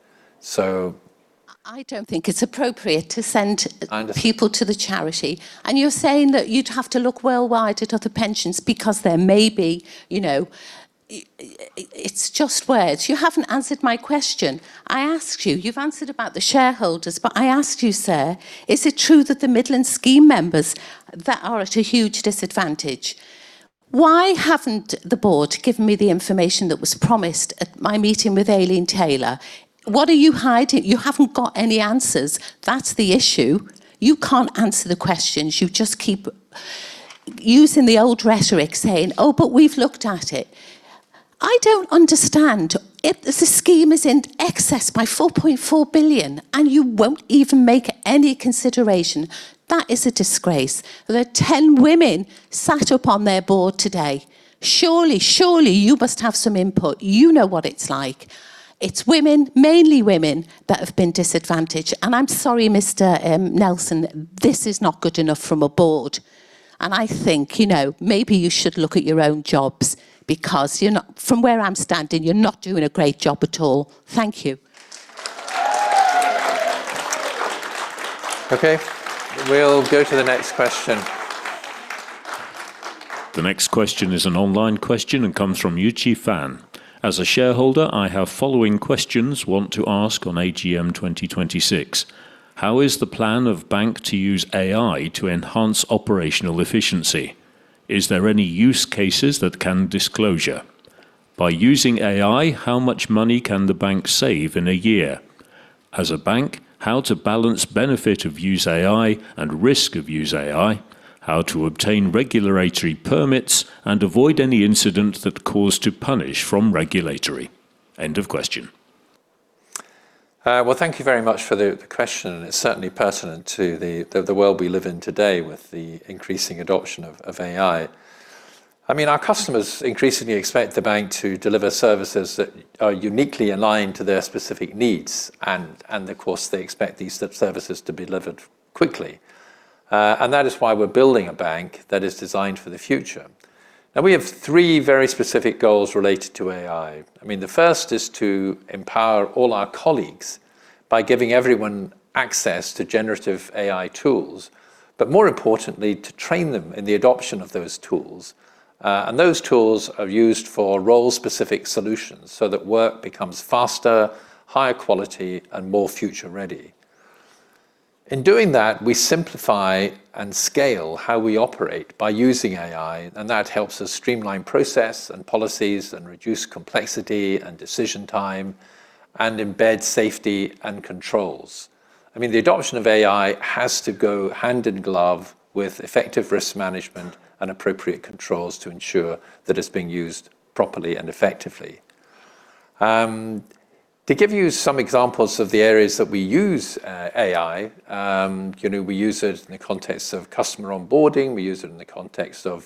I don't think it's appropriate to send. I under- people to the charity. You're saying that you'd have to look worldwide at other pensions because there may be, you know. It's just words. You haven't answered my question. I asked you. You've answered about the shareholders, I asked you, sir, is it true that the Midland scheme members that are at a huge disadvantage? Why haven't the board given me the information that was promised at my meeting with Aileen Taylor? What are you hiding? You haven't got any answers. That's the issue. You can't answer the questions. You just keep using the old rhetoric saying, "Oh, we've looked at it." I don't understand. If the scheme is in excess by $4.4 billion and you won't even make any consideration, that is a disgrace. There are 10 women sat up on their board today. Surely you must have some input. You know what it's like. It's women, mainly women, that have been disadvantaged. I'm sorry, Mr. Nelson, this is not good enough from a board. I think, you know, maybe you should look at your own jobs because from where I'm standing, you're not doing a great job at all. Thank you. Okay. We'll go to the next question. The next question is an online question and comes from Yuchi Fan. As a shareholder, I have following questions want to ask on AGM 2026. How is the plan of bank to use AI to enhance operational efficiency? Is there any use cases that can disclosure? By using AI, how much money can the bank save in a year? As a bank, how to balance benefit of use AI and risk of use AI? How to obtain regulatory permits and avoid any incident that cause to punish from regulatory? End of question. Well, thank you very much for the question. It's certainly pertinent to the world we live in today with the increasing adoption of AI. I mean, our customers increasingly expect the bank to deliver services that are uniquely aligned to their specific needs. Of course, they expect these services to be delivered quickly. That is why we're building a bank that is designed for the future. Now, we have three very specific goals related to AI. I mean, the first is to empower all our colleagues by giving everyone access to generative AI tools, but more importantly, to train them in the adoption of those tools. Those tools are used for role-specific solutions so that work becomes faster, higher quality, and more future-ready. In doing that, we simplify and scale how we operate by using AI, and that helps us streamline process and policies and reduce complexity and decision time and embed safety and controls. I mean, the adoption of AI has to go hand in glove with effective risk management and appropriate controls to ensure that it's being used properly and effectively. To give you some examples of the areas that we use AI, you know, we use it in the context of customer onboarding, we use it in the context of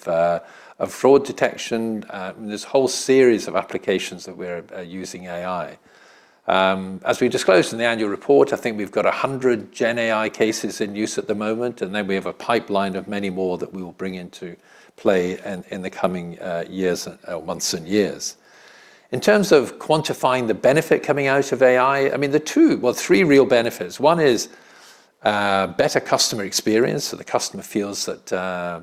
fraud detection. There's a whole series of applications that we're using AI. As we disclosed in the annual report, I think we've got 100 GenAI cases in use at the moment, and then we have a pipeline of many more that we will bring into play in the coming years, months and years. In terms of quantifying the benefit coming out of AI, I mean, there are two well, three real benefits. One is better customer experience, so the customer feels that,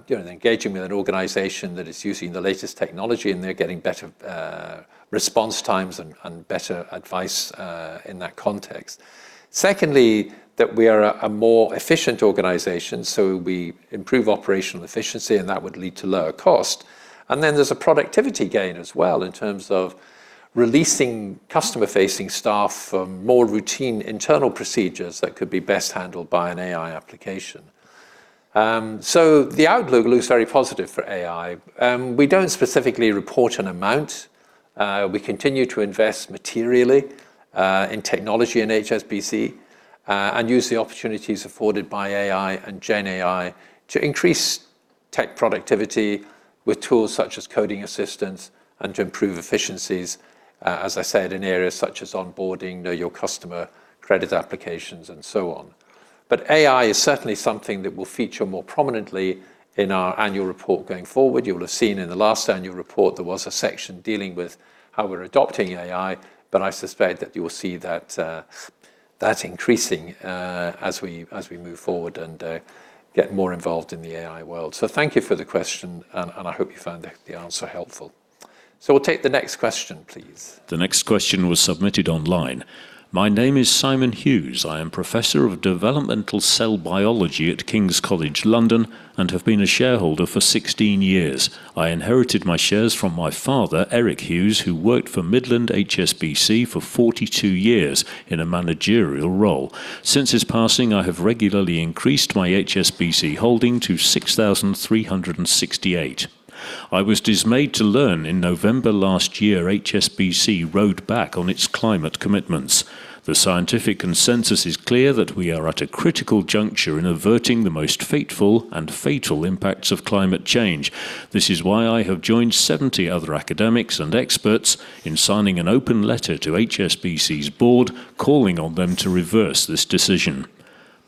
you know, they're engaging with an organization that is using the latest technology and they're getting better response times and better advice in that context. Secondly, that we are a more efficient organization, so we improve operational efficiency and that would lead to lower cost. There's a productivity gain as well in terms of releasing customer-facing staff from more routine internal procedures that could be best handled by an AI application. The outlook looks very positive for AI. We don't specifically report an amount. We continue to invest materially in technology in HSBC and use the opportunities afforded by AI and Gen AI to increase tech productivity with tools such as coding assistance and to improve efficiencies, as I said, in areas such as onboarding, know your customer, credit applications, and so on. AI is certainly something that will feature more prominently in our annual report going forward. You'll have seen in the last annual report there was a section dealing with how we're adopting AI, but I suspect that you will see that increasing as we, as we move forward and get more involved in the AI world. Thank you for the question and I hope you found the answer helpful. We'll take the next question, please. The next question was submitted online. My name is Simon Hughes. I am professor of developmental cell biology at King's College London and have been a shareholder for 16 years. I inherited my shares from my father, Eric Hughes, who worked for Midland HSBC for 42 years in a managerial role. Since his passing, I have regularly increased my HSBC holding to 6,368. I was dismayed to learn in November last year HSBC rowed back on its climate commitments. The scientific consensus is clear that we are at a critical juncture in averting the most fateful and fatal impacts of climate change. This is why I have joined 70 other academics and experts in signing an open letter to HSBC's board calling on them to reverse this decision.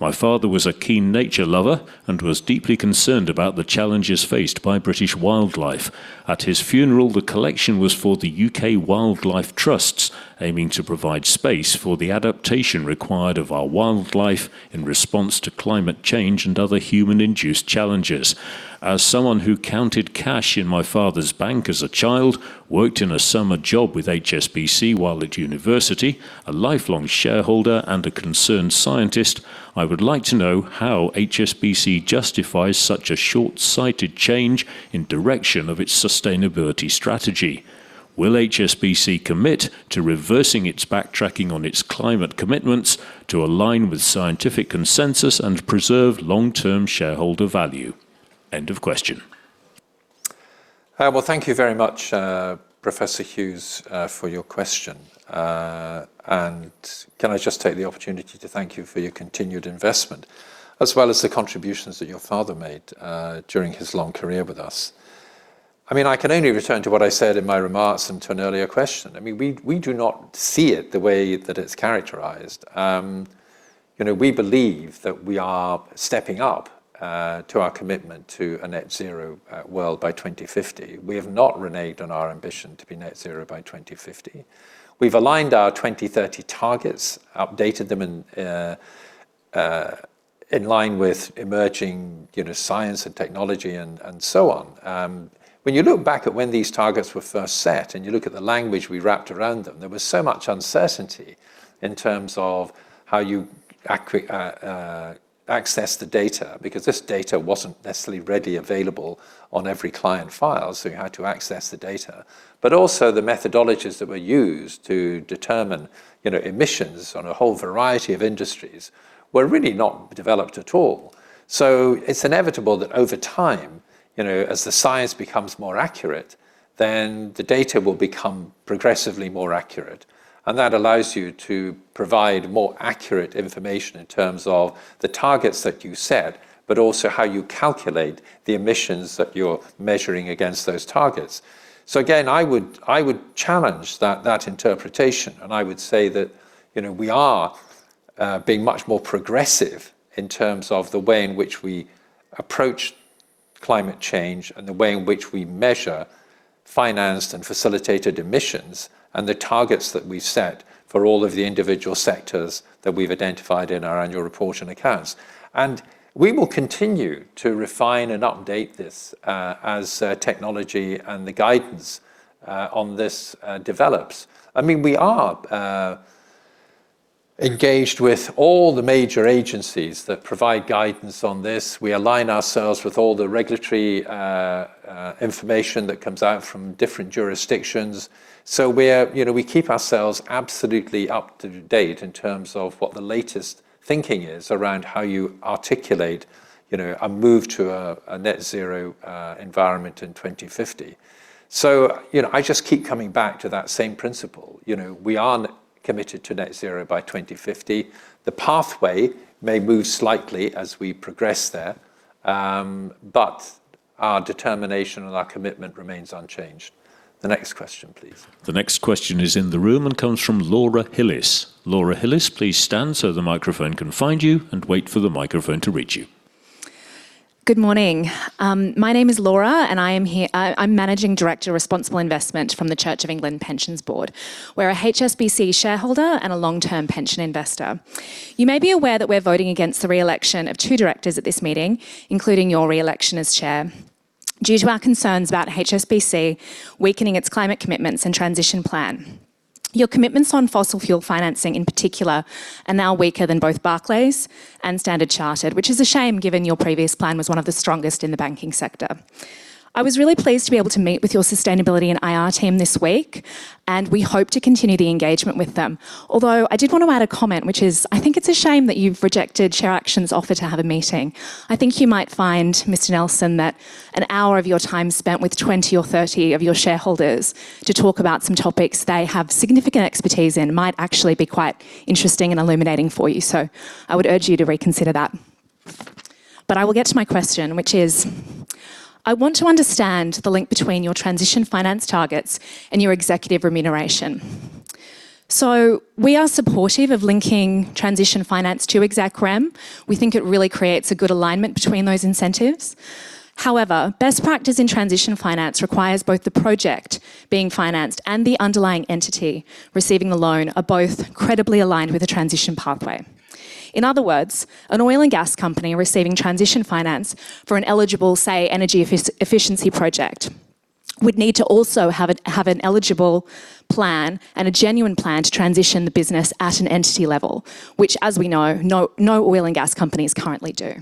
My father was a keen nature lover and was deeply concerned about the challenges faced by British wildlife. At his funeral, the collection was for the U.K. Wildlife Trusts, aiming to provide space for the adaptation required of our wildlife in response to climate change and other human-induced challenges. As someone who counted cash in my father's bank as a child, worked in a summer job with HSBC while at university, a lifelong shareholder, and a concerned scientist, I would like to know how HSBC justifies such a short-sighted change in direction of its sustainability strategy. Will HSBC commit to reversing its backtracking on its climate commitments to align with scientific consensus and preserve long-term shareholder value? End of question. Well, thank you very much, Professor Hughes, for your question. Can I just take the opportunity to thank you for your continued investment as well as the contributions that your father made during his long career with us. I mean, I can only return to what I said in my remarks and to an earlier question. I mean, we do not see it the way that it's characterized. You know, we believe that we are stepping up to our commitment to a net zero world by 2050. We have not reneged on our ambition to be net zero by 2050. We've aligned our 2030 targets, updated them in line with emerging, you know, science and technology and so on. When you look back at when these targets were first set and you look at the language we wrapped around them, there was so much uncertainty in terms of how you access the data because this data wasn't necessarily readily available on every client file, so you had to access the data. Also the methodologies that were used to determine, you know, emissions on a whole variety of industries were really not developed at all. It's inevitable that over time, you know, as the science becomes more accurate, the data will become progressively more accurate, and that allows you to provide more accurate information in terms of the targets that you set, but also how you calculate the emissions that you're measuring against those targets. Again, I would challenge that interpretation, and I would say that, you know, we are being much more progressive in terms of the way in which we approach climate change and the way in which we measure financed and facilitated emissions and the targets that we set for all of the individual sectors that we've identified in our annual report and accounts. We will continue to refine and update this as technology and the guidance on this develops. I mean, we are engaged with all the major agencies that provide guidance on this. We align ourselves with all the regulatory information that comes out from different jurisdictions. We're, you know, we keep ourselves absolutely up to date in terms of what the latest thinking is around how you articulate, you know, a move to a net zero environment in 2050. You know, I just keep coming back to that same principle. You know, we are committed to net zero by 2050. The pathway may move slightly as we progress there, but our determination and our commitment remains unchanged. The next question, please. The next question is in the room and comes from Laura Hillis. Laura Hillis, please stand so the microphone can find you, and wait for the microphone to reach you. Good morning. My name is Laura, and I'm Managing Director, Responsible Investment from the Church of England Pensions Board. We're a HSBC shareholder and a long-term pension investor. You may be aware that we're voting against the re-election of two directors at this meeting, including your re-election as Chair, due to our concerns about HSBC weakening its climate commitments and transition plan. Your commitments on fossil fuel financing in particular are now weaker than both Barclays and Standard Chartered, which is a shame given your previous plan was one of the strongest in the banking sector. I was really pleased to be able to meet with your sustainability and IR team this week, and we hope to continue the engagement with them. I did want to add a comment, which is, I think it's a shame that you've rejected ShareAction's offer to have a meeting. I think you might find, Mr. Nelson, that an hour of your time spent with 20 or 30 of your shareholders to talk about some topics they have significant expertise in might actually be quite interesting and illuminating for you. I would urge you to reconsider that. I will get to my question, which is, I want to understand the link between your transition finance targets and your executive remuneration. We are supportive of linking transition finance to exec rem. We think it really creates a good alignment between those incentives. However, best practice in transition finance requires both the project being financed and the underlying entity receiving the loan are both credibly aligned with the transition pathway. In other words, an oil and gas company receiving transition finance for an eligible, say, energy efficiency project would need to also have an eligible plan and a genuine plan to transition the business at an entity level, which as we know, no oil and gas companies currently do.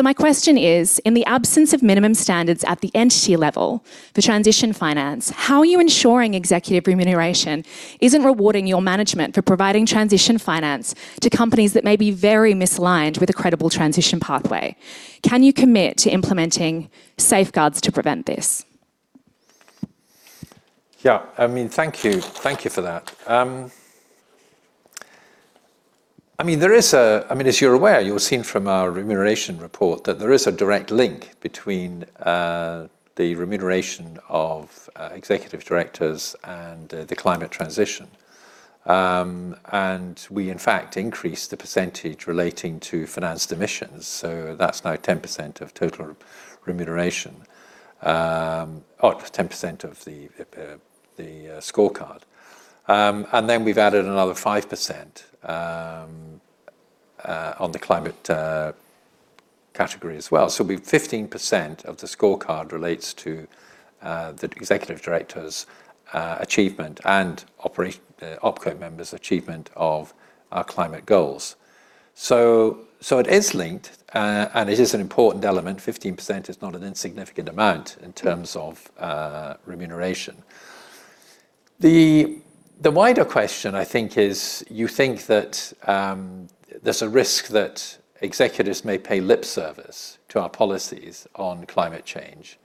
My question is, in the absence of minimum standards at the entity level for transition finance, how are you ensuring executive remuneration isn't rewarding your management for providing transition finance to companies that may be very misaligned with a credible transition pathway? Can you commit to implementing safeguards to prevent this? I mean, thank you. Thank you for that. I mean, as you're aware, you will have seen from our remuneration report that there is a direct link between the remuneration of executive directors and the climate transition. We in fact increased the percentage relating to financed emissions, so that's now 10% of total remuneration. Or 10% of the scorecard. We've added another 5% on the climate category as well. It'll be 15% of the scorecard relates to the executive directors' achievement and OpCo members' achievement of our climate goals. It is linked, it is an important element. 15% is not an insignificant amount in terms of remuneration. The wider question I think is you think that there's a risk that executives may pay lip service to our policies on climate change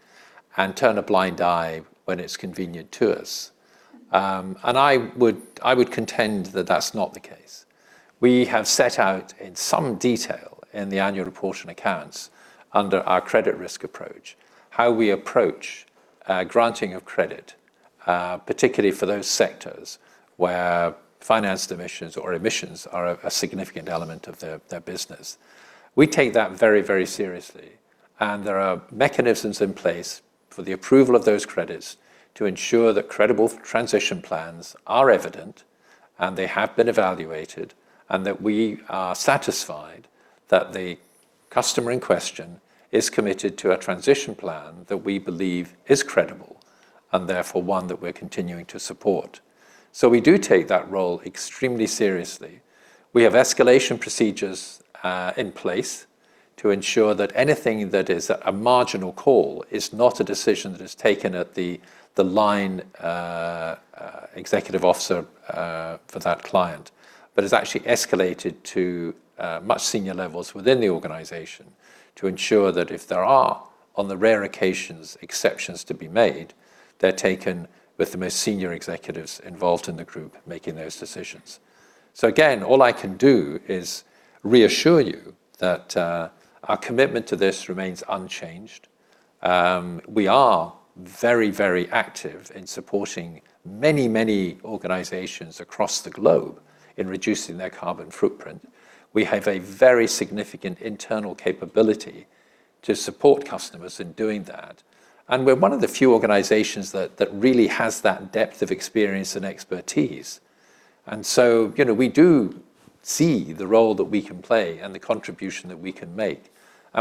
and turn a blind eye when it's convenient to us. I would contend that that's not the case. We have set out in some detail in the annual report and accounts under our credit risk approach how we approach granting of credit, particularly for those sectors where financed emissions or emissions are a significant element of their business. We take that very, very seriously, and there are mechanisms in place for the approval of those credits to ensure that credible transition plans are evident and they have been evaluated, and that we are satisfied that the customer in question is committed to a transition plan that we believe is credible and therefore one that we're continuing to support. We do take that role extremely seriously. We have escalation procedures in place to ensure that anything that is a marginal call is not a decision that is taken at the line executive officer for that client. It is actually escalated to much senior levels within the organization to ensure that if there are, on the rare occasions, exceptions to be made, they're taken with the most senior executives involved in the group making those decisions. Again, all I can do is reassure you that our commitment to this remains unchanged. We are very, very active in supporting many, many organizations across the globe in reducing their carbon footprint. We have a very significant internal capability to support customers in doing that, and we're one of the few organizations that really has that depth of experience and expertise. You know, we do see the role that we can play and the contribution that we can make.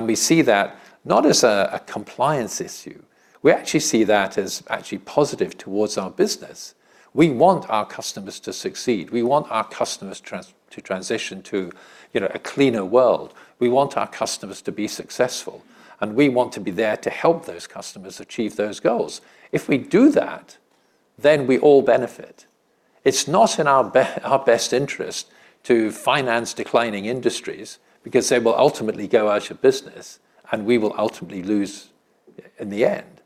We see that not as a compliance issue, we actually see that as actually positive towards our business. We want our customers to succeed. We want our customers to transition to, you know, a cleaner world. We want our customers to be successful, and we want to be there to help those customers achieve those goals. If we do that, then we all benefit. It's not in our best interest to finance declining industries, because they will ultimately go out of business, and we will ultimately lose in the end.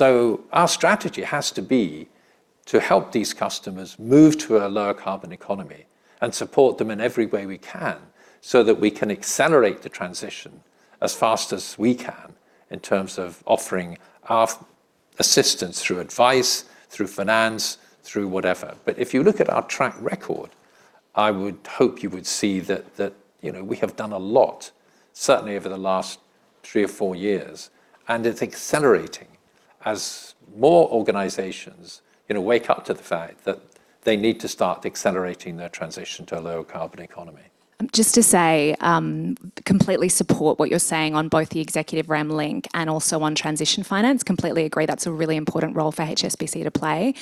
Our strategy has to be to help these customers move to a lower carbon economy and support them in every way we can so that we can accelerate the transition as fast as we can in terms of offering our assistance through advice, through finance, through whatever. If you look at our track record, I would hope you would see that, you know, we have done a lot, certainly over the last three to four years. It's accelerating as more organizations, you know, wake up to the fact that they need to start accelerating their transition to a low carbon economy. Completely support what you're saying on both the executive rem link and also on transition finance. Completely agree that's a really important role for HSBC to play.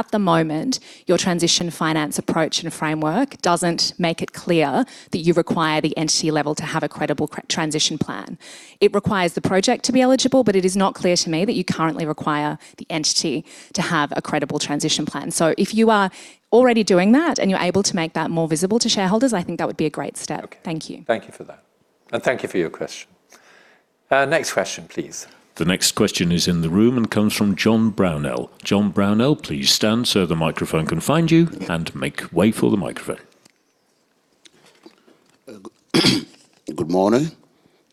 At the moment, your transition finance approach and framework doesn't make it clear that you require the entity level to have a credible transition plan. It requires the project to be eligible, but it is not clear to me that you currently require the entity to have a credible transition plan. If you are already doing that and you're able to make that more visible to shareholders, I think that would be a great step. Okay. Thank you. Thank you for that, and thank you for your question. Next question, please. The next question is in the room and comes from John Brownell. John Brownell, please stand so the microphone can find you, and make way for the microphone. Good morning.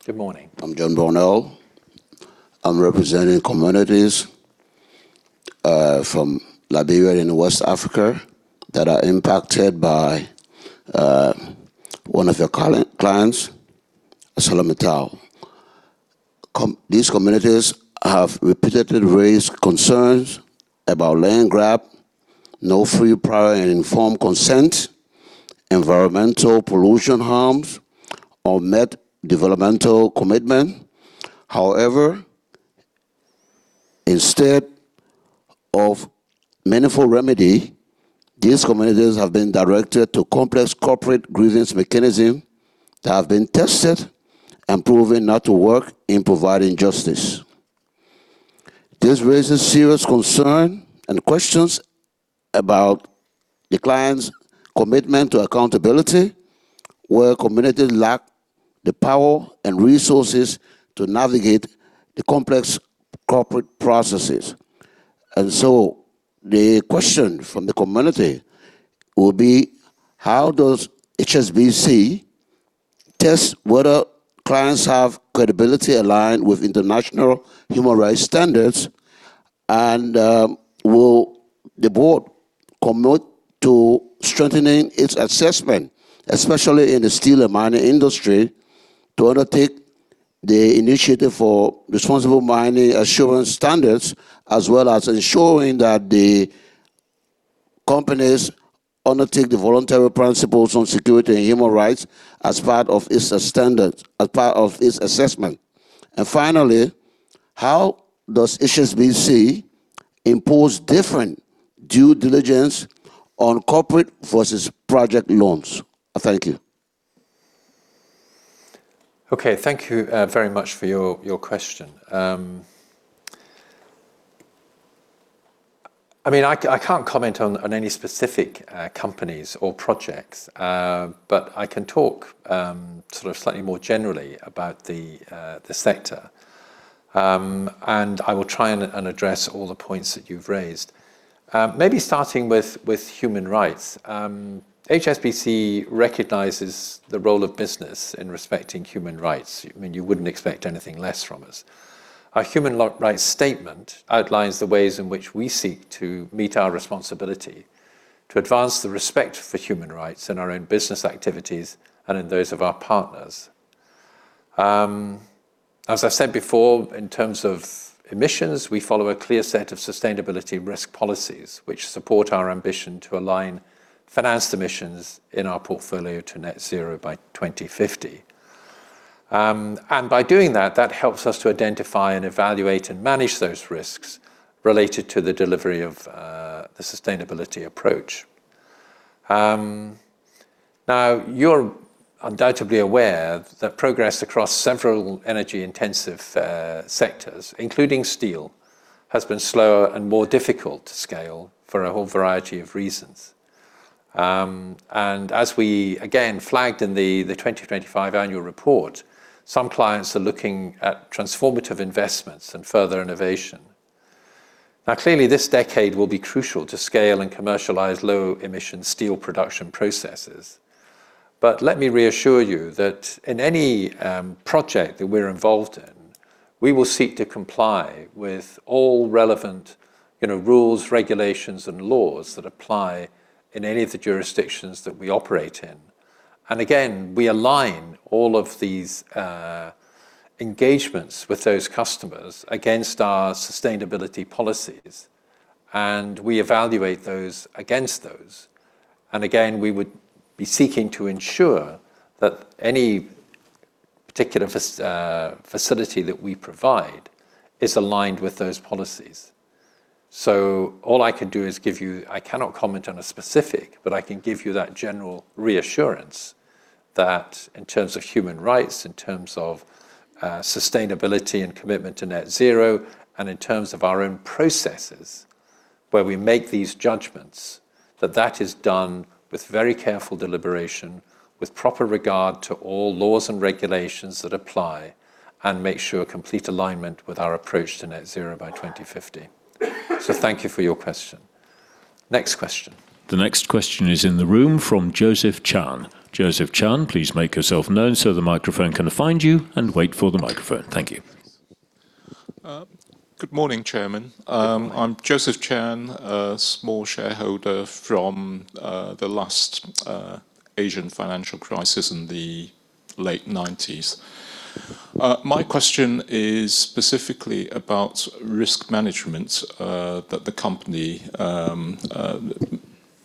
Good morning. I'm John Brownell. I'm representing communities from Liberia in West Africa that are impacted by one of your current clients, ArcelorMittal. These communities have repeatedly raised concerns about land grab, no free, prior, and informed consent, environmental pollution harms, or met developmental commitment. However, instead of meaningful remedy, these communities have been directed to complex corporate grievance mechanism that have been tested and proven not to work in providing justice. This raises serious concern and questions about the client's commitment to accountability, where communities lack the power and resources to navigate the complex corporate processes. The question from the community will be, how does HSBC test whether clients have credibility aligned with international human rights standards? Will the board commit to strengthening its assessment, especially in the steel and mining industry, to undertake the Initiative for Responsible Mining Assurance standards, as well as ensuring that the companies undertake the Voluntary Principles on Security and Human Rights as part of its standards, as part of its assessment? Finally, how does HSBC impose different due diligence on corporate versus project loans? Thank you. Okay. Thank you very much for your question. I mean, I can't comment on any specific companies or projects. I can talk sort of slightly more generally about the sector. I will try and address all the points that you've raised. Maybe starting with human rights. HSBC recognizes the role of business in respecting human rights. I mean, you wouldn't expect anything less from us. Our human rights statement outlines the ways in which we seek to meet our responsibility to advance the respect for human rights in our own business activities and in those of our partners. As I said before, in terms of emissions, we follow a clear set of sustainability risk policies which support our ambition to align financed emissions in our portfolio to net zero by 2050. And by doing that helps us to identify and evaluate and manage those risks related to the delivery of the sustainability approach. Now, you're undoubtedly aware that progress across several energy-intensive sectors, including steel, has been slower and more difficult to scale for a whole variety of reasons. And as we again flagged in the 2025 annual report, some clients are looking at transformative investments and further innovation. Now, clearly, this decade will be crucial to scale and commercialize low-emission steel production processes. Let me reassure you that in any project that we're involved in, we will seek to comply with all relevant, you know, rules, regulations, and laws that apply in any of the jurisdictions that we operate in. Again, we align all of these engagements with those customers against our sustainability policies, and we evaluate those against those. Again, we would be seeking to ensure that any particular facility that we provide is aligned with those policies. All I can do is give you. I cannot comment on a specific, but I can give you that general reassurance that in terms of human rights, in terms of sustainability and commitment to net zero, and in terms of our own processes where we make these judgments, that that is done with very careful deliberation, with proper regard to all laws and regulations that apply, and make sure complete alignment with our approach to net zero by 2050. Thank you for your question. Next question. The next question is in the room from Joseph Chan. Joseph Chan, please make yourself known so the microphone can find you and wait for the microphone. Thank you. Good morning, Chairman. Good morning. I'm Joseph Chan, a small shareholder from the last Asian financial crisis in the late 1990s. My question is specifically about risk management that the company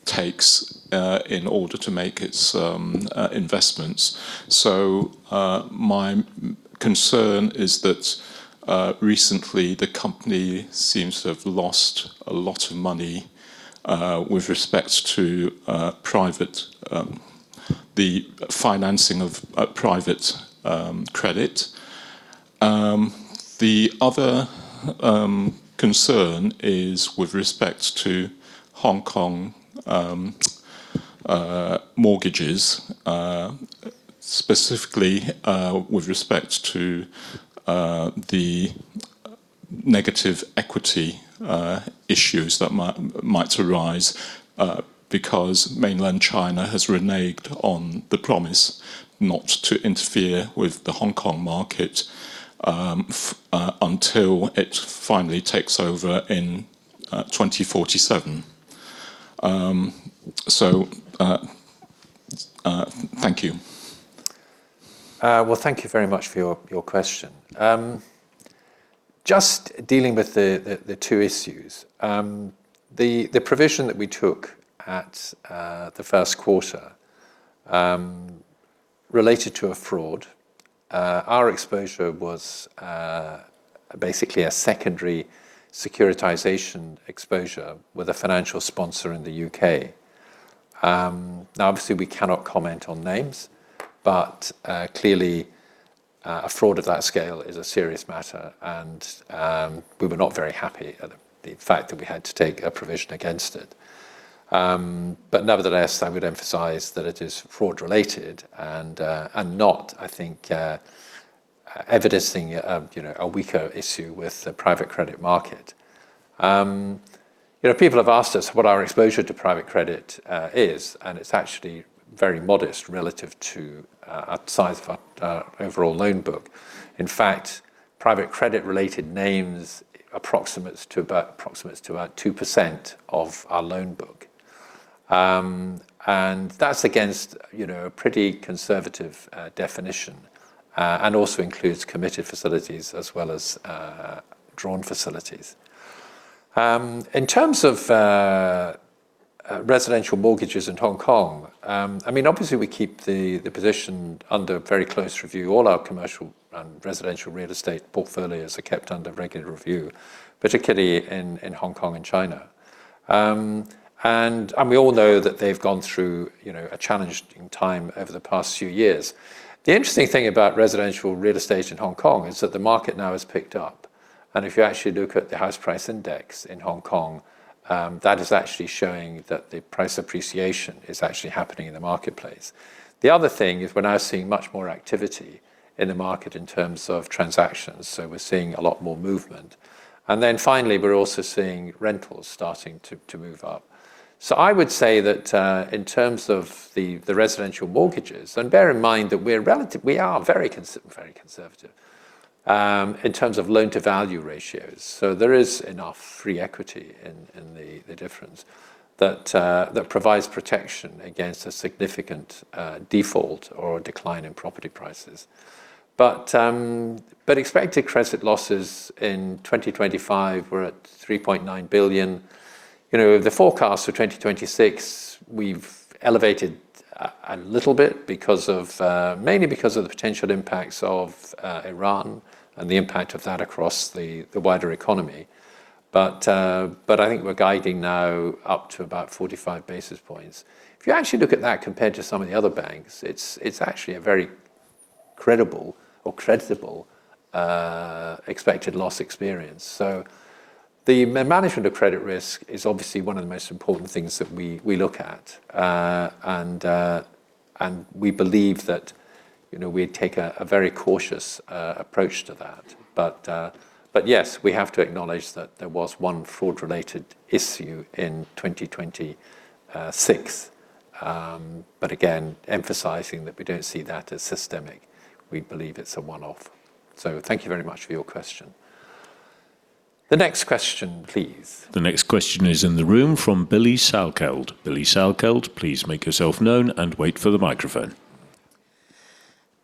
takes in order to make its investments. My concern is that recently the company seems to have lost a lot of money with respect to private the financing of a private credit. The other concern is with respect to Hong Kong mortgages, specifically with respect to the negative equity issues that might arise because mainland China has reneged on the promise not to interfere with the Hong Kong market until it finally takes over in 2047. Thank you. Well, thank you very much for your question. Just dealing with the two issues. The provision that we took at the first quarter related to a fraud. Our exposure was basically a secondary securitization exposure with a financial sponsor in the U.K. Now obviously we cannot comment on names, but clearly a fraud of that scale is a serious matter, and we were not very happy at the fact that we had to take a provision against it. Nevertheless, I would emphasize that it is fraud related and not, I think, evidencing, you know, a weaker issue with the private credit market. You know, people have asked us what our exposure to private credit is, and it's actually very modest relative to the size of our overall loan book. In fact, private credit related names approximates to about 2% of our loan book. And that's against, you know, a pretty conservative definition, and also includes committed facilities as well as drawn facilities. In terms of residential mortgages in Hong Kong, I mean, obviously we keep the position under very close review. All our commercial and residential real estate portfolios are kept under regular review, particularly in Hong Kong and China. And we all know that they've gone through, you know, a challenging time over the past few years. The interesting thing about residential real estate in Hong Kong is that the market now has picked up. If you actually look at the house price index in Hong Kong, that is actually showing that the price appreciation is actually happening in the marketplace. The other thing is we're now seeing much more activity in the market in terms of transactions, so we're seeing a lot more movement. Finally, we're also seeing rentals starting to move up. I would say that in terms of the residential mortgages, and bear in mind that we are very conservative in terms of loan-to-value ratios. There is enough free equity in the difference that provides protection against a significant default or a decline in property prices. Expected credit losses in 2025 were at $3.9 billion. You know, the forecast for 2026, we've elevated a little bit because of mainly because of the potential impacts of Iran and the impact of that across the wider economy. I think we're guiding now up to about 45 basis points. If you actually look at that compared to some of the other banks, it's actually a very credible or creditable expected loss experience. The management of credit risk is obviously one of the most important things that we look at. We believe that, you know, we take a very cautious approach to that. Yes, we have to acknowledge that there was one fraud related issue in 2026. Again, emphasizing that we don't see that as systemic. We believe it's a one-off. Thank you very much for your question. The next question, please. The next question is in the room from Billie Salkeld. Billie Salkeld, please make yourself known and wait for the microphone.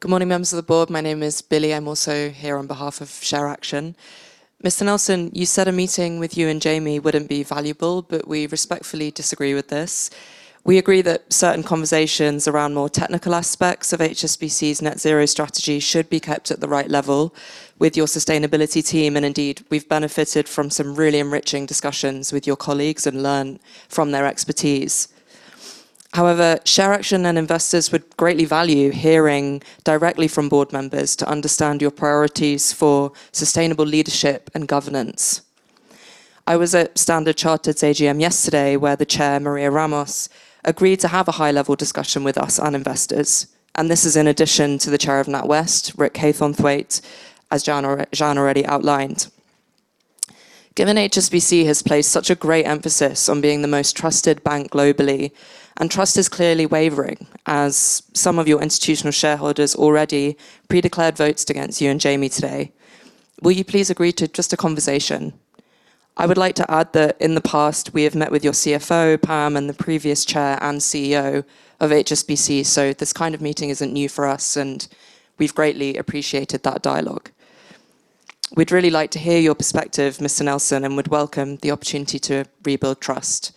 Good morning, members of the board. My name is Billie. I'm also here on behalf of ShareAction. Mr. Nelson, you said a meeting with you and Jamie wouldn't be valuable, but we respectfully disagree with this. We agree that certain conversations around more technical aspects of HSBC's net zero strategy should be kept at the right level with your sustainability team. Indeed, we've benefited from some really enriching discussions with your colleagues and learned from their expertise. However, ShareAction and investors would greatly value hearing directly from board members to understand your priorities for sustainable leadership and governance. I was at Standard Chartered's AGM yesterday where the chair, Maria Ramos, agreed to have a high-level discussion with us and investors, and this is in addition to the chair of NatWest, Rick Haythornthwaite, as John already outlined. Given HSBC has placed such a great emphasis on being the most trusted bank globally and trust is clearly wavering as some of your institutional shareholders already pre-declared votes against you and Jamie today, will you please agree to just a conversation? I would like to add that in the past we have met with your CFO, Pam, and the previous Chair and CEO of HSBC. This kind of meeting isn't new for us, and we've greatly appreciated that dialogue. We'd really like to hear your perspective, Mr. Nelson, and would welcome the opportunity to rebuild trust.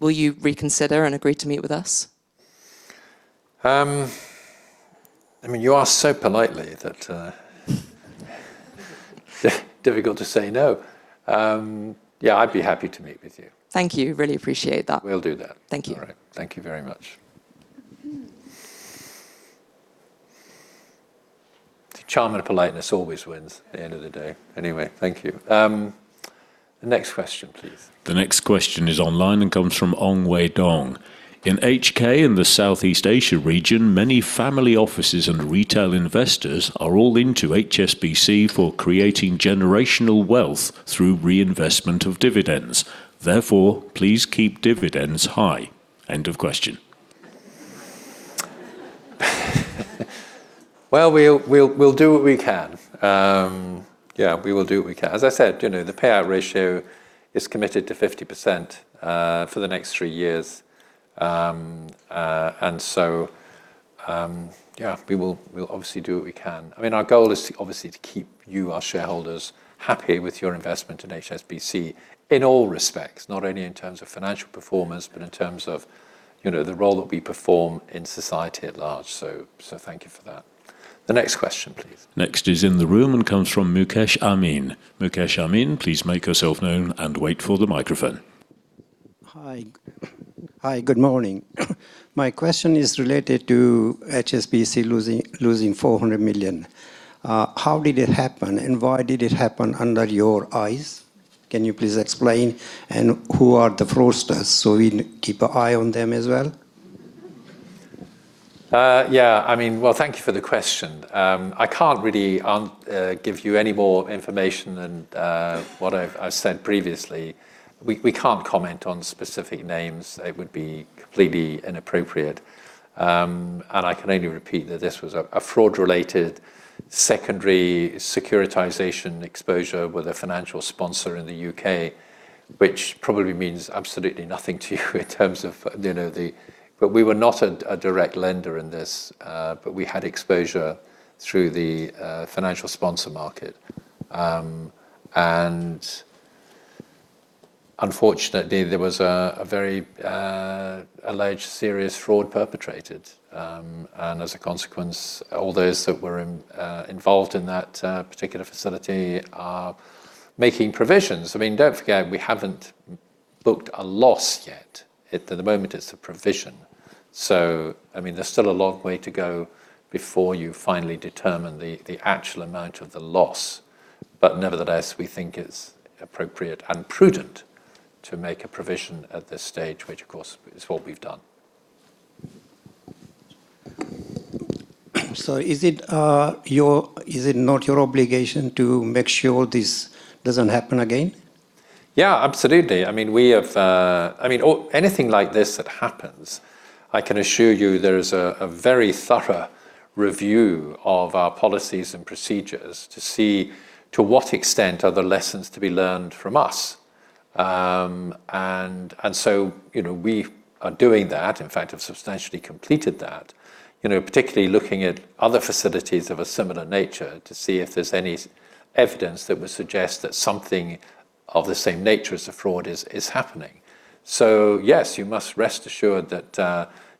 Will you reconsider and agree to meet with us? I mean, you ask so politely that, difficult to say no. Yeah, I'd be happy to meet with you. Thank you. Really appreciate that. We'll do that. Thank you. All right. Thank you very much. Charm and politeness always wins at the end of the day. Anyway, thank you. Next question, please. The next question is online and comes from Ong Wei Dong. In HK in the Southeast Asia region, many family offices and retail investors are all into HSBC for creating generational wealth through reinvestment of dividends. Therefore, please keep dividends high. End of question. Well, we'll do what we can. Yeah, we will do what we can. As I said, you know, the payout ratio is committed to 50% for the next three years. Yeah, we will, we'll obviously do what we can. I mean, our goal is obviously to keep you, our shareholders, happy with your investment in HSBC in all respects, not only in terms of financial performance, but in terms of, you know, the role that we perform in society at large. Thank you for that. The next question, please. Next is in the room and comes from Mukesh Amin. Mukesh Amin, please make yourself known and wait for the microphone. Hi, good morning. My question is related to HSBC losing $400 million. How did it happen, why did it happen under your eyes? Can you please explain? Who are the fraudsters so we keep an eye on them as well? Yeah. I mean, well, thank you for the question. I can't really give you any more information than what I've said previously. We can't comment on specific names. It would be completely inappropriate. I can only repeat that this was a fraud-related secondary securitization exposure with a financial sponsor in the U.K., which probably means absolutely nothing to you in terms of. We were not a direct lender in this, but we had exposure through the financial sponsor market. Unfortunately, there was a very alleged serious fraud perpetrated. As a consequence, all those that were involved in that particular facility are making provisions. I mean, don't forget we haven't booked a loss yet. At the moment it's a provision. I mean, there's still a long way to go before you finally determine the actual amount of the loss. Nevertheless, we think it's appropriate and prudent to make a provision at this stage, which of course is what we've done. Is it not your obligation to make sure this doesn't happen again? Yeah, absolutely. I mean, we have, I mean, anything like this that happens, I can assure you there is a very thorough review of our policies and procedures to see to what extent are there lessons to be learned from us? You know, we are doing that, in fact, have substantially completed that. You know, particularly looking at other facilities of a similar nature to see if there's any evidence that would suggest that something of the same nature as the fraud is happening. Yes, you must rest assured that,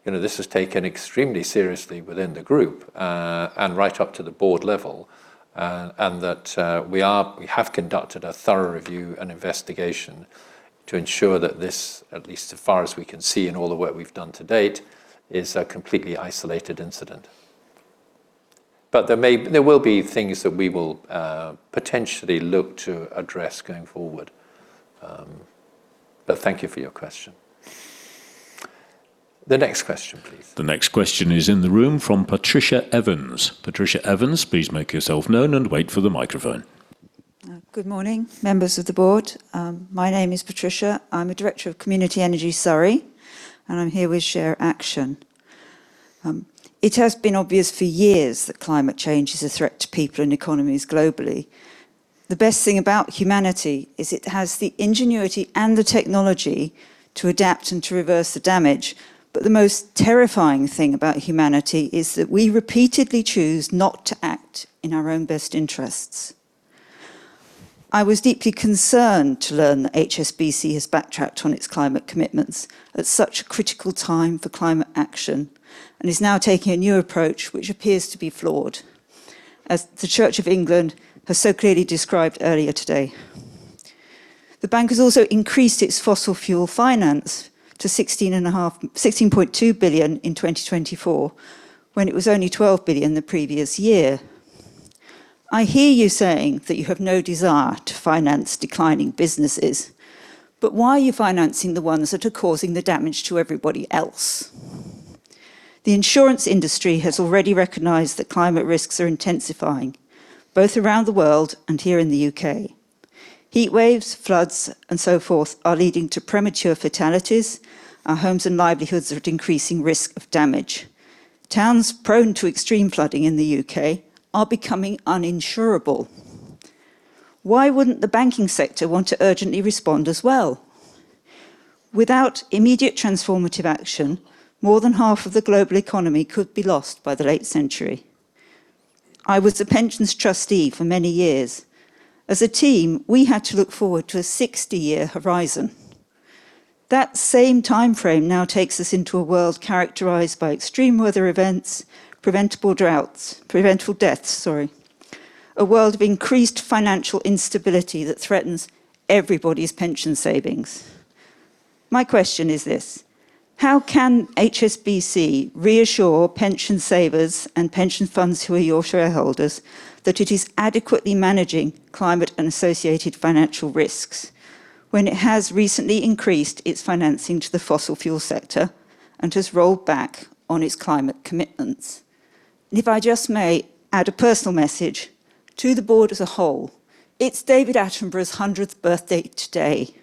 you know, this is taken extremely seriously within the group, and right up to the board level, and that, we have conducted a thorough review and investigation to ensure that this, at least as far as we can see in all the work we've done to date, is a completely isolated incident. There will be things that we will, potentially look to address going forward. Thank you for your question. The next question, please. The next question is in the room from Patricia Evans. Patricia Evans, please make yourself known and wait for the microphone. Good morning, members of the board. My name is Patricia. I'm a director of Community Energy Surrey, and I'm here with ShareAction. It has been obvious for years that climate change is a threat to people and economies globally. The best thing about humanity is it has the ingenuity and the technology to adapt and to reverse the damage. The most terrifying thing about humanity is that we repeatedly choose not to act in our own best interests. I was deeply concerned to learn that HSBC has backtracked on its climate commitments at such a critical time for climate action and is now taking a new approach which appears to be flawed, as the Church of England has so clearly described earlier today. The bank has also increased its fossil fuel finance to $16.2 billion in 2024 when it was only $12 billion the previous year. I hear you saying that you have no desire to finance declining businesses, why are you financing the ones that are causing the damage to everybody else? The insurance industry has already recognized that climate risks are intensifying both around the world and here in the U.K. Heatwaves, floods, and so forth are leading to premature fatalities. Our homes and livelihoods are at increasing risk of damage. Towns prone to extreme flooding in the U.K. are becoming uninsurable. Why wouldn't the banking sector want to urgently respond as well? Without immediate transformative action, more than half of the global economy could be lost by the late century. I was a pensions trustee for many years. As a team, we had to look forward to a 60-year horizon. That same timeframe now takes us into a world characterized by extreme weather events, preventable deaths, a world of increased financial instability that threatens everybody's pension savings. My question is this: How can HSBC reassure pension savers and pension funds who are your shareholders that it is adequately managing climate and associated financial risks when it has recently increased its financing to the fossil fuel sector and has rolled back on its climate commitments? If I just may add a personal message to the board as a whole, it's David Attenborough's 100th birthday today.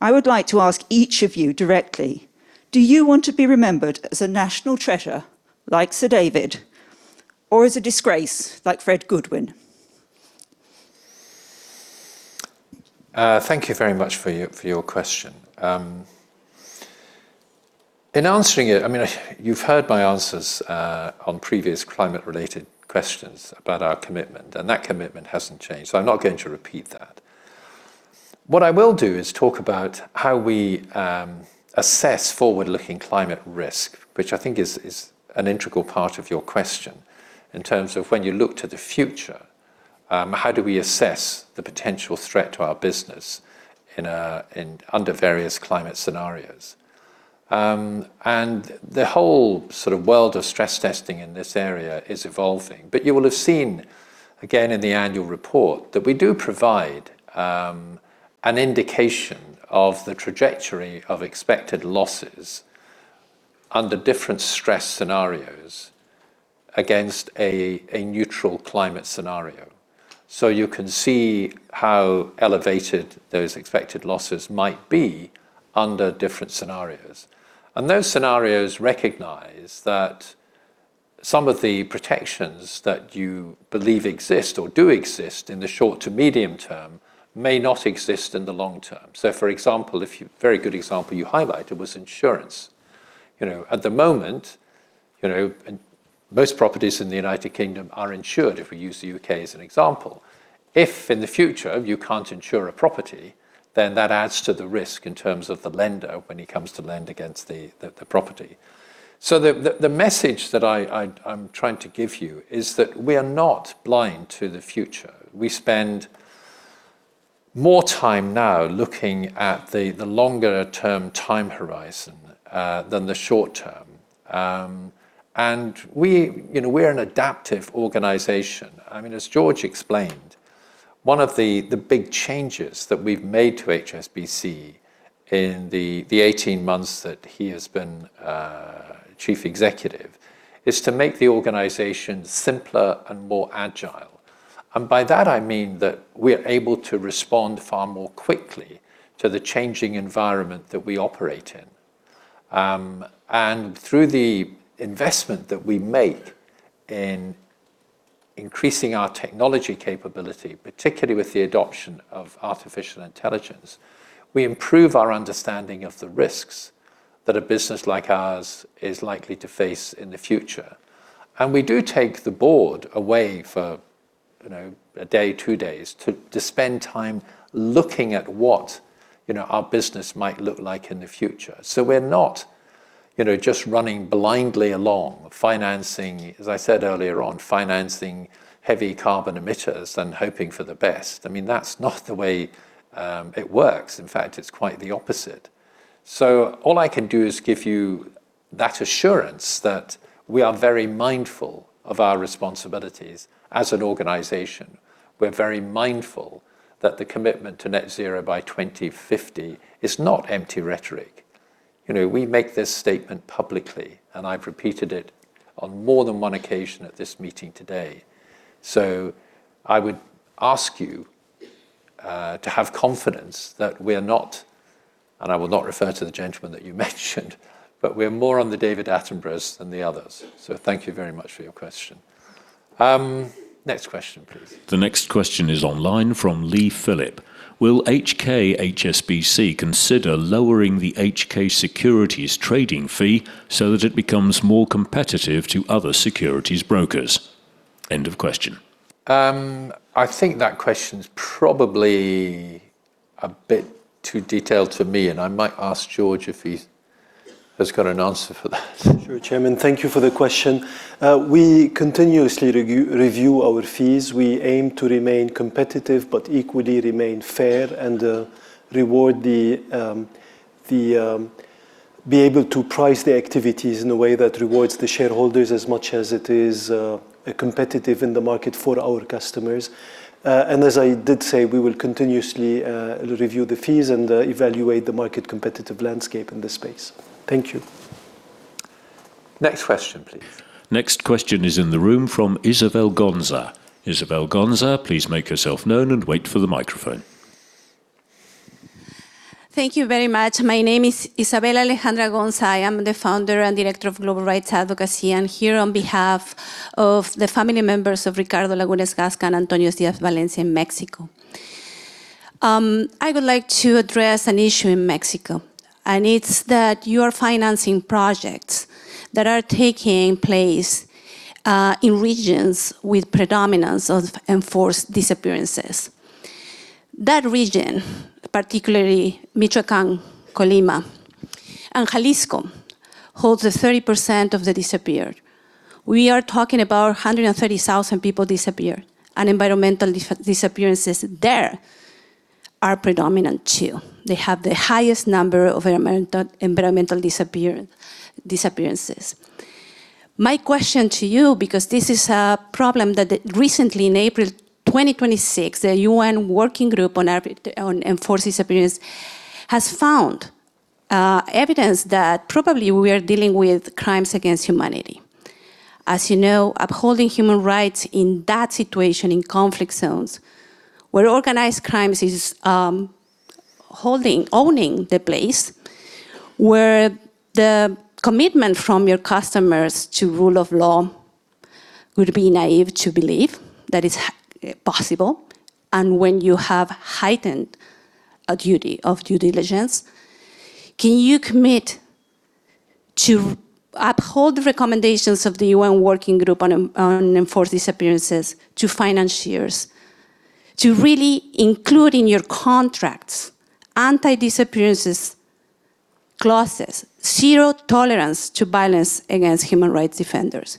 I would like to ask each of you directly, do you want to be remembered as a national treasure like Sir David or as a disgrace like Fred Goodwin? Thank you very much for your, for your question. In answering it, I mean, you've heard my answers on previous climate-related questions about our commitment, and that commitment hasn't changed, so I'm not going to repeat that. What I will do is talk about how we assess forward-looking climate risk, which I think is an integral part of your question in terms of when you look to the future, how do we assess the potential threat to our business under various climate scenarios? And the whole sort of world of stress testing in this area is evolving. You will have seen, again, in the annual report that we do provide an indication of the trajectory of expected losses under different stress scenarios against a neutral climate scenario. You can see how elevated those expected losses might be under different scenarios. Those scenarios recognize that some of the protections that you believe exist or do exist in the short to medium term may not exist in the long term. For example, very good example you highlighted was insurance. You know, at the moment, you know, most properties in the U.K. are insured, if we use the U.K. as an example. If in the future you can't insure a property, then that adds to the risk in terms of the lender when he comes to lend against the property. The message that I'm trying to give you is that we are not blind to the future. We spend more time now looking at the longer term time horizon than the short term. We, you know, we're an adaptive organization. I mean, as Georges explained, one of the big changes that we've made to HSBC in the 18 months that he has been Group Chief Executive is to make the organization simpler and more agile. By that, I mean that we're able to respond far more quickly to the changing environment that we operate in. Through the investment that we make in increasing our technology capability, particularly with the adoption of Artificial Intelligence, we improve our understanding of the risks that a business like ours is likely to face in the future. We do take the board away for, you know, a day, two days, to spend time looking at what, you know, our business might look like in the future. We're not, you know, just running blindly along financing, as I said earlier on, financing heavy carbon emitters and hoping for the best. I mean, that's not the way it works. In fact, it's quite the opposite. All I can do is give you that assurance that we are very mindful of our responsibilities as an organization. We're very mindful that the commitment to net zero by 2050 is not empty rhetoric. You know, we make this statement publicly, and I've repeated it on more than one occasion at this meeting today. I would ask you to have confidence that we are not, and I will not refer to the gentleman that you mentioned, but we're more on the David Attenboroughs than the others. Thank you very much for your question. Next question please. The next question is online from Philip Lee. Will HK HSBC consider lowering the HK securities trading fee so that it becomes more competitive to other securities brokers? End of question. I think that question's probably a bit too detailed for me, and I might ask Georges if he has got an answer for that. Sure, Chairman. Thank you for the question. We continuously review our fees. We aim to remain competitive but equally remain fair and reward the be able to price the activities in a way that rewards the shareholders as much as it is competitive in the market for our customers. As I did say, we will continuously review the fees and evaluate the market competitive landscape in this space. Thank you. Next question please. Next question is in the room from Isabel Gonza. Isabel Gonza, please make yourself known and wait for the microphone. Thank you very much. My name is Isabel Alejandra Gonza. I am the founder and director of Global Rights Advocacy. I am here on behalf of the family members of Ricardo Lagunes Gasca and Antonio Díaz Valencia in Mexico. I would like to address an issue in Mexico. It is that you are financing projects that are taking place in regions with predominance of enforced disappearances. That region, particularly Michoacán, Colima, and Jalisco, holds 30% of the disappeared. We are talking about 130,000 people disappeared. Environmental disappearances there are predominant too. They have the highest number of environmental disappearances. My question to you, because this is a problem that recently in April 2026, the UN Working Group on Enforced Disappearance has found evidence that probably we are dealing with crimes against humanity. As you know, upholding human rights in that situation, in conflict zones where organized crimes is holding, owning the place, where the commitment from your customers to rule of law would be naive to believe that is possible, and when you have heightened a duty of due diligence, can you commit to uphold the recommendations of the UN Working Group on Enforced Disappearances to financiers to really include in your contracts anti-disappearances clauses, zero tolerance to violence against human rights defenders?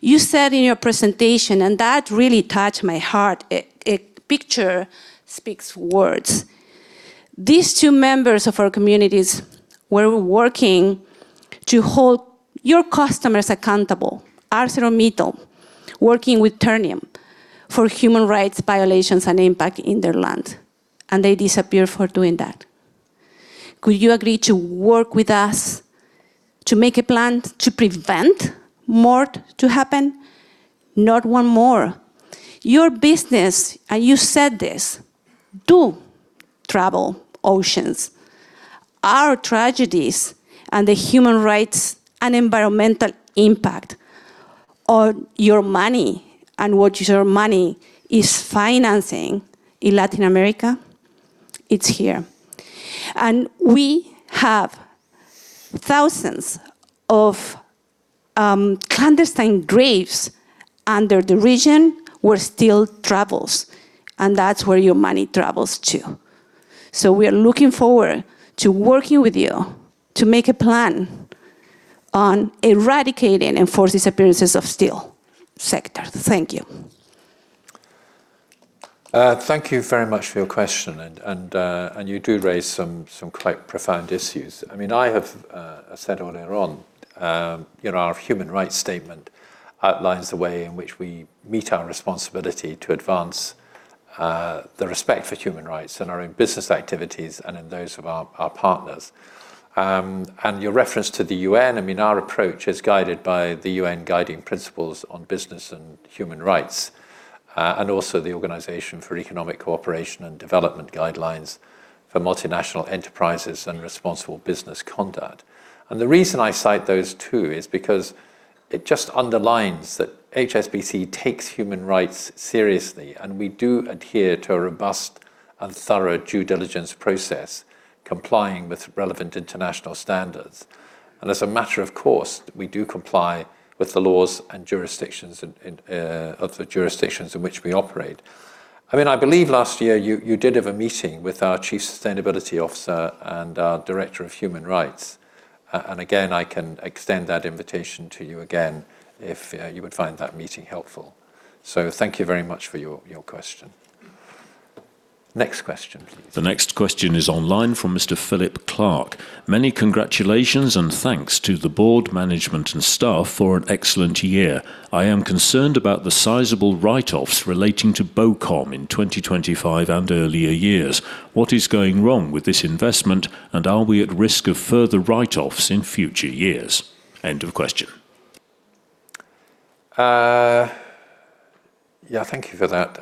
You said in your presentation, that really touched my heart, a picture speaks words. These two members of our communities were working to hold your customers accountable, ArcelorMittal, working with Ternium, for human rights violations and impact in their land, they disappeared for doing that. Could you agree to work with us to make a plan to prevent more to happen? Not one more. Your business, and you said this, do travel oceans. Our tragedies and the human rights and environmental impact on your money and what your money is financing in Latin America, it's here. We have thousands of clandestine graves under the region where steel travels, and that's where your money travels to. We are looking forward to working with you to make a plan on eradicating enforced disappearances of steel sector. Thank you. Thank you very much for your question. You do raise some quite profound issues. I mean, I have, as said earlier on, you know, our human rights statement outlines the way in which we meet our responsibility to advance the respect for human rights in our own business activities and in those of our partners. Your reference to the UN, I mean, our approach is guided by the UN Guiding Principles on Business and Human Rights and also the Organisation for Economic Co-operation and Development Guidelines for Multinational Enterprises and Responsible Business Conduct. The reason I cite those two is because it just underlines that HSBC takes human rights seriously, and we do adhere to a robust and thorough due diligence process complying with relevant international standards. As a matter of course, we do comply with the laws and jurisdictions in, of the jurisdictions in which we operate. I mean, I believe last year you did have a meeting with our Chief Sustainability Officer and our Director of Human Rights. Again, I can extend that invitation to you again if you would find that meeting helpful. Thank you very much for your question. Next question please. The next question is online from Mr. Philip Clark. Many congratulations and thanks to the board, management, and staff for an excellent year. I am concerned about the sizable write-offs relating to BOCOM in 2025 and earlier years. What is going wrong with this investment, and are we at risk of further write-offs in future years? End of question. Yeah, thank you for that.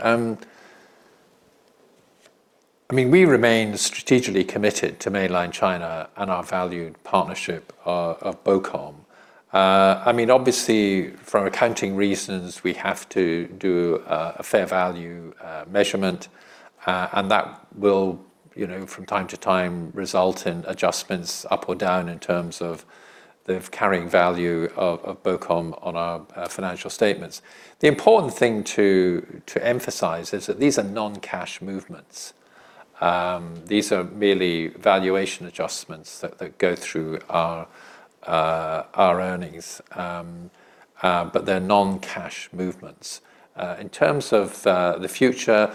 I mean, we remain strategically committed to Mainland China and our valued partnership of BOCOM. I mean, obviously from accounting reasons, we have to do a fair value measurement. That will, you know, from time to time result in adjustments up or down in terms of the carrying value of BOCOM on our financial statements. The important thing to emphasize is that these are non-cash movements. These are merely valuation adjustments that go through our earnings. They're non-cash movements. In terms of the future,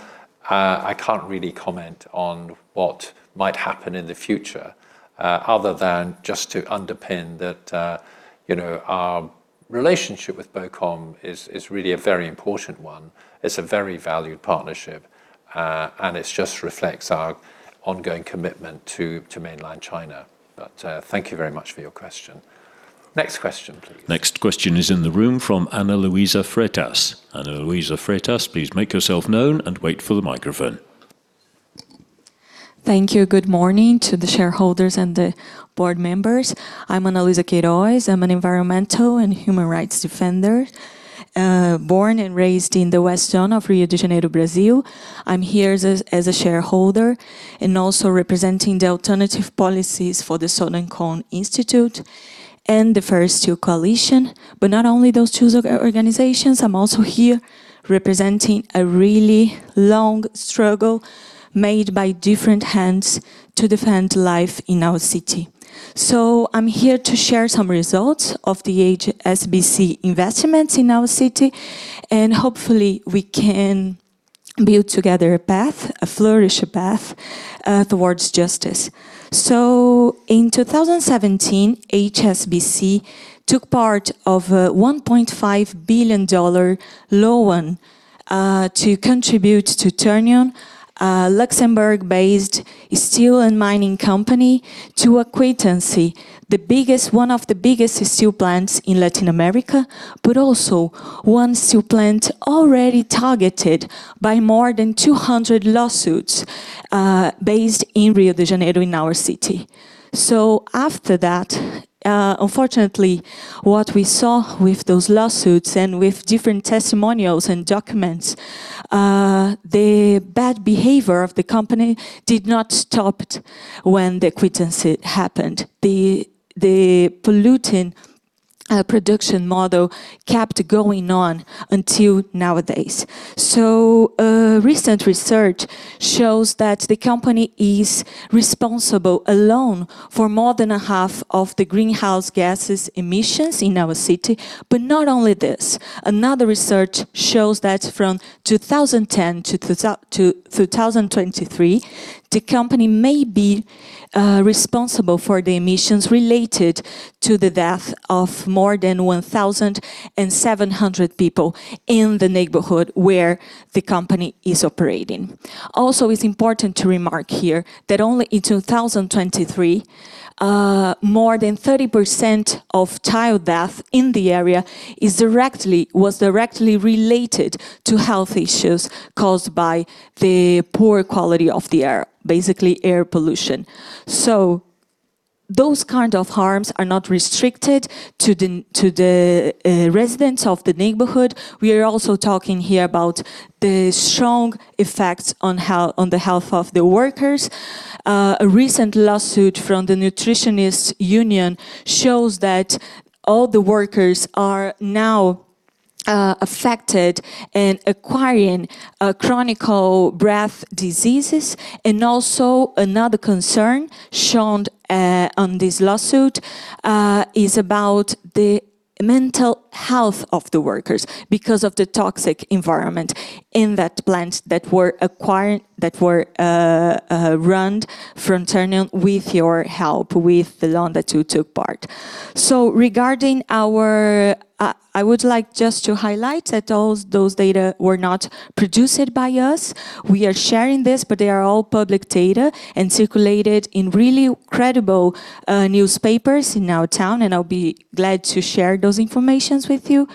I can't really comment on what might happen in the future, other than just to underpin that, you know, our relationship with BOCOM is really a very important one. It's a very valued partnership. It just reflects our ongoing commitment to Mainland China. Thank you very much for your question. Next question, please. Next question is in the room from Ana Luiza Queiroz. Ana Luiza Queiroz, please make yourself known and wait for the microphone. Thank you. Good morning to the shareholders and the board members. I'm Ana Luiza Queiroz. I'm an environmental and human rights defender, born and raised in the west zone of Rio de Janeiro, Brazil. I'm here as a shareholder and also representing the alternative policies for the Southern Cone Institute and the First Nations Coalition. Not only those two organizations, I'm also here representing a really long struggle made by different hands to defend life in our city. I'm here to share some results of the HSBC investments in our city, and hopefully we can build together a path, a flourish path, towards justice. In 2017, HSBC took part of a $1.5 billion loan to contribute to Ternium, a Luxembourg-based steel and mining company, to acquire TKCSA, one of the biggest steel plants in Latin America, but also one steel plant already targeted by more than 200 lawsuits, based in Rio de Janeiro in our city. After that, unfortunately, what we saw with those lawsuits and with different testimonials and documents, the bad behavior of the company did not stopped when the acquisition happened. The polluting production model kept going on until nowadays. Recent research shows that the company is responsible alone for more than a half of the greenhouse gases emissions in our city. Not only this, another research shows that from 2010 to 2023, the company may be responsible for the emissions related to the death of more than 1,700 people in the neighborhood where the company is operating. It's important to remark here that only in 2023, more than 30% of child death in the area was directly related to health issues caused by the poor quality of the air, basically air pollution. Those kind of harms are not restricted to the residents of the neighborhood. We are also talking here about the strong effects on the health of the workers. A recent lawsuit from the Nutritionists Union shows that all the workers are now affected in acquiring chronic breath diseases. Another concern shown on this lawsuit is about the mental health of the workers because of the toxic environment in that plant that were run from Ternium with your help, with the loan that you took part. I would like just to highlight that all those data were not produced by us. We are sharing this, but they are all public data and circulated in really credible newspapers in our town, and I'll be glad to share those information with you.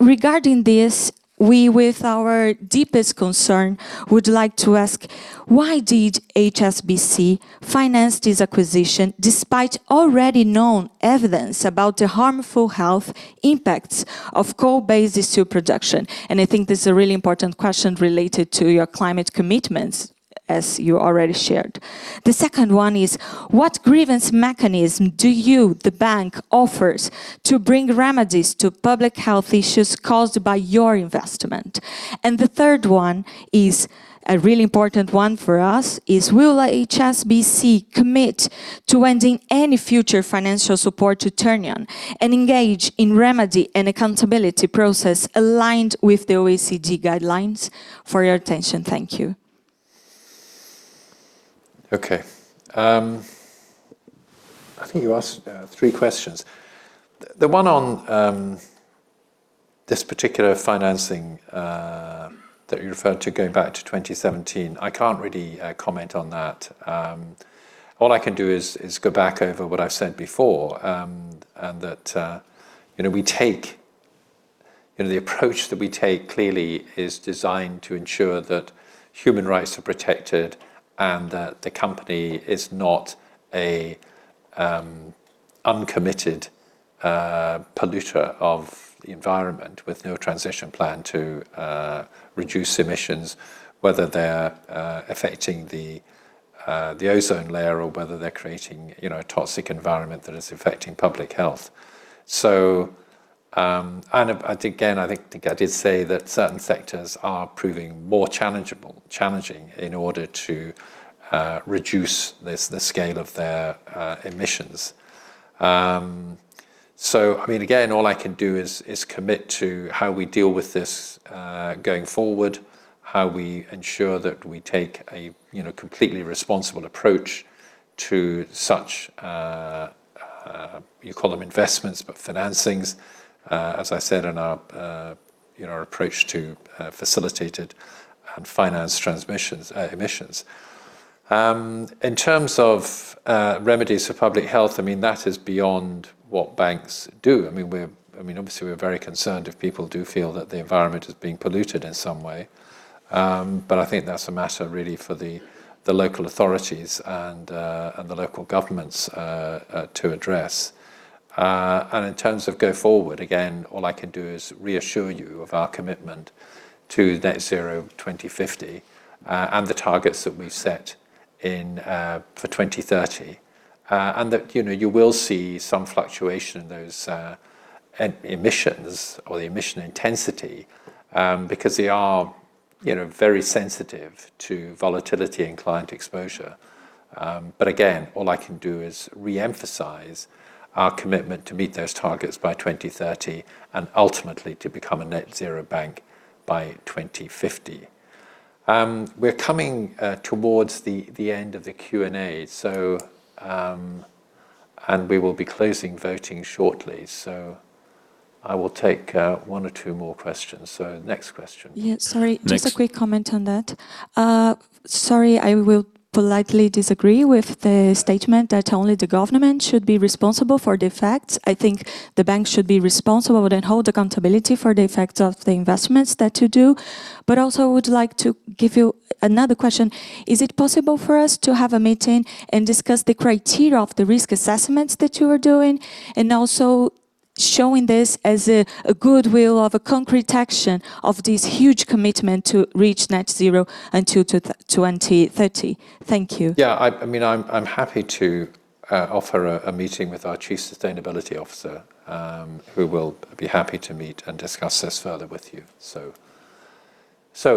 Regarding this, we, with our deepest concern, would like to ask, why did HSBC finance this acquisition despite already known evidence about the harmful health impacts of coal-based steel production? I think this is a really important question related to your climate commitments, as you already shared. The second one is, what grievance mechanism do you, the bank, offers to bring remedies to public health issues caused by your investment? The third one is a really important one for us, is will HSBC commit to ending any future financial support to Ternium and engage in remedy and accountability process aligned with the OECD guidelines? For your attention. Thank you. Okay. I think you asked three questions. The one on this particular financing that you referred to going back to 2017. I can't really comment on that. All I can do is go back over what I've said before, and that, you know, the approach that we take clearly is designed to ensure that human rights are protected and that the company is not an uncommitted polluter of the environment with no transition plan to reduce emissions, whether they're affecting the ozone layer or whether they're creating, you know, a toxic environment that is affecting public health. Again, I think I did say that certain sectors are proving more challenging in order to reduce the scale of their emissions. I mean, again, all I can do is commit to how we deal with this going forward, how we ensure that we take a, you know, completely responsible approach to such You call them investments, but financings, as I said, in our, you know, our approach to facilitated and financed transmissions, emissions. In terms of remedies for public health, I mean, that is beyond what banks do. I mean, we're obviously, we're very concerned if people do feel that the environment is being polluted in some way. I think that's a matter really for the local authorities and the local governments to address. In terms of go forward, again, all I can do is reassure you of our commitment to net zero 2050 and the targets that we've set in for 2030, and that, you know, you will see some fluctuation in those emissions or the emission intensity, because they are, you know, very sensitive to volatility and client exposure. Again, all I can do is re-emphasize our commitment to meet those targets by 2030 and ultimately to become a net-zero bank by 2050. We're coming towards the end of the Q&A. We will be closing voting shortly. I will take one or two more questions. Next question. Yeah, sorry. Next- Just a quick comment on that. Sorry, I will politely disagree with the statement that only the government should be responsible for the effects. I think the bank should be responsible and hold accountability for the effects of the investments that you do. Also would like to give you another question. Is it possible for us to have a meeting and discuss the criteria of the risk assessments that you are doing and also showing this as a goodwill of a concrete action of this huge commitment to reach net zero until 2030? Thank you. Yeah, I mean, I'm happy to offer a meeting with our Chief Sustainability Officer, who will be happy to meet and discuss this further with you.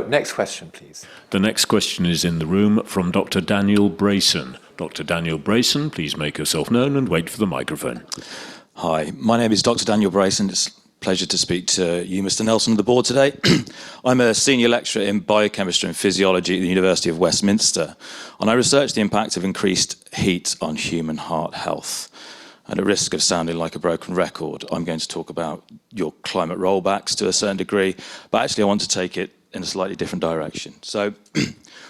Next question, please. The next question is in the room from Dr. Daniel Brayson. Dr. Daniel Brayson, please make yourself known and wait for the microphone. Hi, my name is Dr. Daniel Brayson. It's a pleasure to speak to you, Mr. Nelson, and the board today. I'm a senior lecturer in biochemistry and physiology at the University of Westminster, and I research the impact of increased heat on human heart health. At risk of sounding like a broken record, I'm going to talk about your climate rollbacks to a certain degree. Actually, I want to take it in a slightly different direction.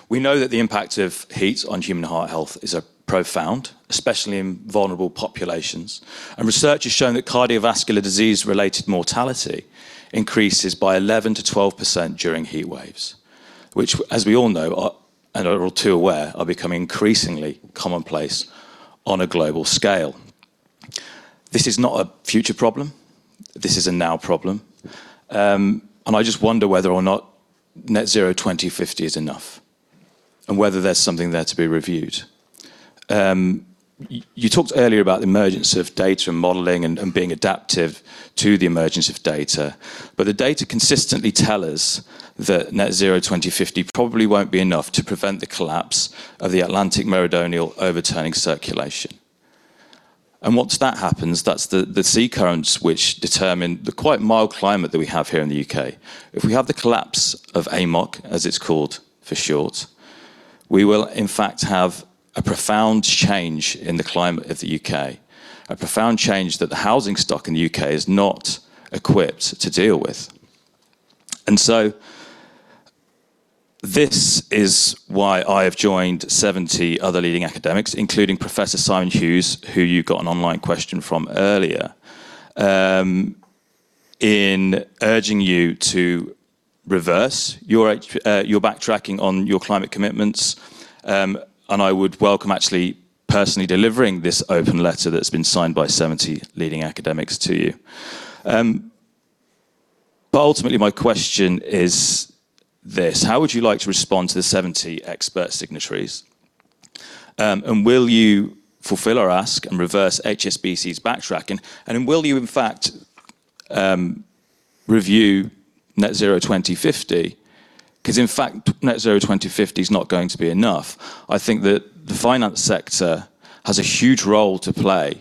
We know that the impact of heat on human heart health is profound, especially in vulnerable populations. Research has shown that cardiovascular disease-related mortality increases by 11%-12% during heatwaves, which, as we all know, and are all too aware, are becoming increasingly commonplace on a global scale. This is not a future problem. This is a now problem. I just wonder whether or not net zero 2050 is enough and whether there's something there to be reviewed. You talked earlier about the emergence of data modeling and being adaptive to the emergence of data, the data consistently tell us that net zero 2050 probably won't be enough to prevent the collapse of the Atlantic Meridional Overturning Circulation. Once that happens, that's the sea currents which determine the quite mild climate that we have here in the U.K. If we have the collapse of AMOC, as it's called for short, we will in fact, have a profound change in the climate of the U.K., a profound change that the housing stock in the U.K. is not equipped to deal with. This is why I have joined 70 other leading academics, including Professor Simon Hughes, who you got an online question from earlier, in urging you to reverse your backtracking on your climate commitments. I would welcome actually personally delivering this open letter that's been signed by 70 leading academics to you. Ultimately, my question is this: How would you like to respond to the 70 expert signatories? Will you fulfill our ask and reverse HSBC's backtracking? Will you, in fact, review net zero 2050? 'Cause in fact, net zero 2050 is not going to be enough. I think that the finance sector has a huge role to play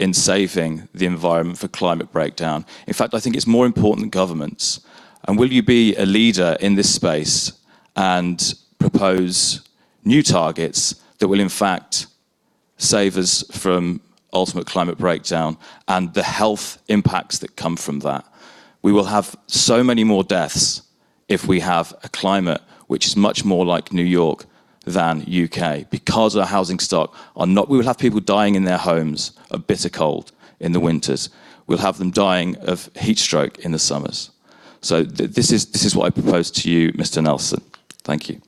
in saving the environment for climate breakdown. In fact, I think it's more important than governments. Will you be a leader in this space and propose new targets that will in fact save us from ultimate climate breakdown and the health impacts that come from that. We will have so many more deaths if we have a climate which is much more like New York than U.K. because our housing stock are not. We will have people dying in their homes of bitter cold in the winters. We'll have them dying of heatstroke in the summers. This is what I propose to you, Mr. Nelson. Thank you.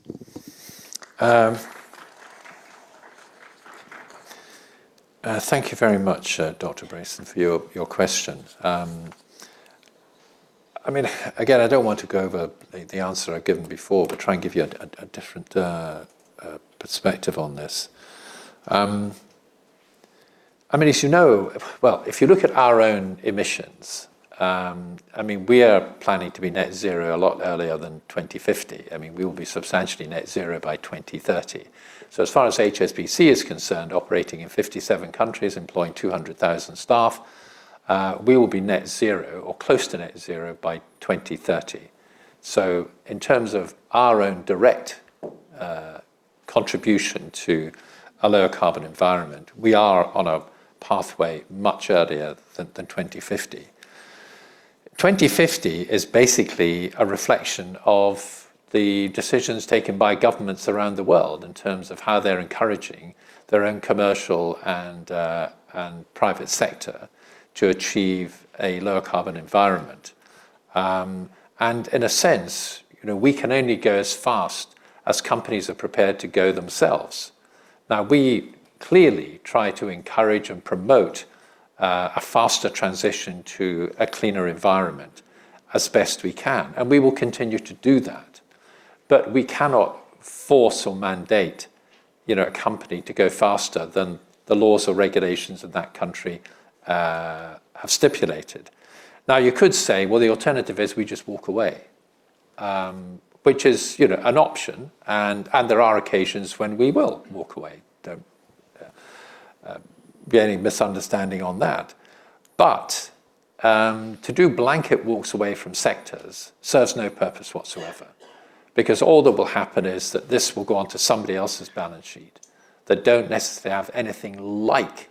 Thank you very much, Dr. Brayson, for your question. Again, I don't want to go over the answer I've given before, but try and give you a different perspective on this. As you know, well, if you look at our own emissions, we are planning to be net zero a lot earlier than 2050. We will be substantially net zero by 2030. As far as HSBC is concerned, operating in 57 countries, employing 200,000 staff, we will be net zero or close to net zero by 2030. In terms of our own direct contribution to a lower carbon environment, we are on a pathway much earlier than 2050. 2050 is basically a reflection of the decisions taken by governments around the world in terms of how they're encouraging their own commercial and private sector to achieve a lower carbon environment. In a sense, you know, we can only go as fast as companies are prepared to go themselves. Now, we clearly try to encourage and promote a faster transition to a cleaner environment as best we can, and we will continue to do that. We cannot force or mandate, you know, a company to go faster than the laws or regulations of that country have stipulated. Now, you could say, well, the alternative is we just walk away, which is, you know, an option and there are occasions when we will walk away. Don't be any misunderstanding on that. To do blanket walks away from sectors serves no purpose whatsoever because all that will happen is that this will go onto somebody else's balance sheet that don't necessarily have anything like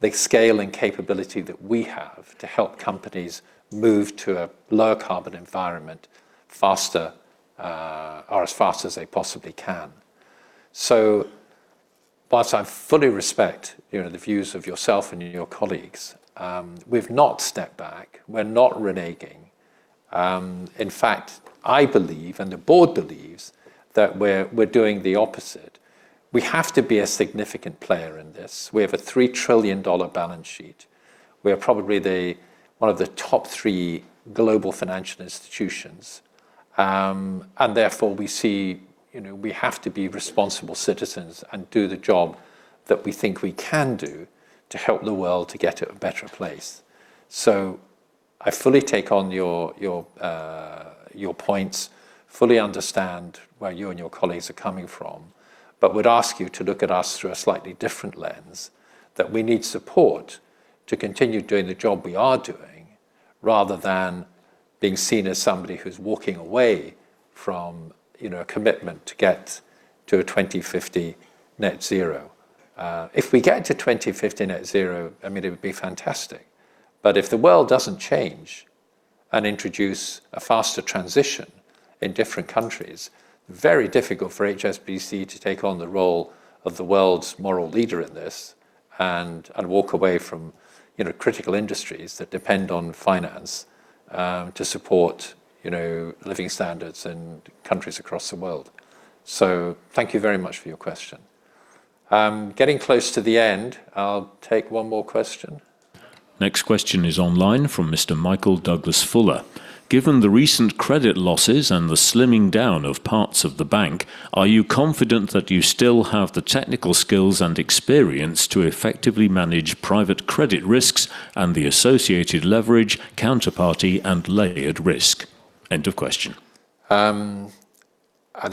the scale and capability that we have to help companies move to a lower carbon environment faster, or as fast as they possibly can. Whilst I fully respect, you know, the views of yourself and your colleagues, we've not stepped back. We're not reneging. In fact, I believe, and the Board believes, that we're doing the opposite. We have to be a significant player in this. We have a $3 trillion balance sheet. We are probably one of the top three global financial institutions. Therefore we see, you know, we have to be responsible citizens and do the job that we think we can do to help the world to get to a better place. I fully take on your points, fully understand where you and your colleagues are coming from, but would ask you to look at us through a slightly different lens, that we need support to continue doing the job we are doing rather than being seen as somebody who's walking away from, you know, a commitment to get to a 2050 net zero. If we get to 2050 net zero, I mean, it would be fantastic. If the world doesn't change and introduce a faster transition in different countries, very difficult for HSBC to take on the role of the world's moral leader in this and walk away from, you know, critical industries that depend on finance to support, you know, living standards in countries across the world. Thank you very much for your question. Getting close to the end. I'll take one more question. Next question is online from Mr. Michael Douglas Fuller. Given the recent credit losses and the slimming down of parts of the bank, are you confident that you still have the technical skills and experience to effectively manage private credit risks and the associated leverage, counterparty, and layered risk? End of question. The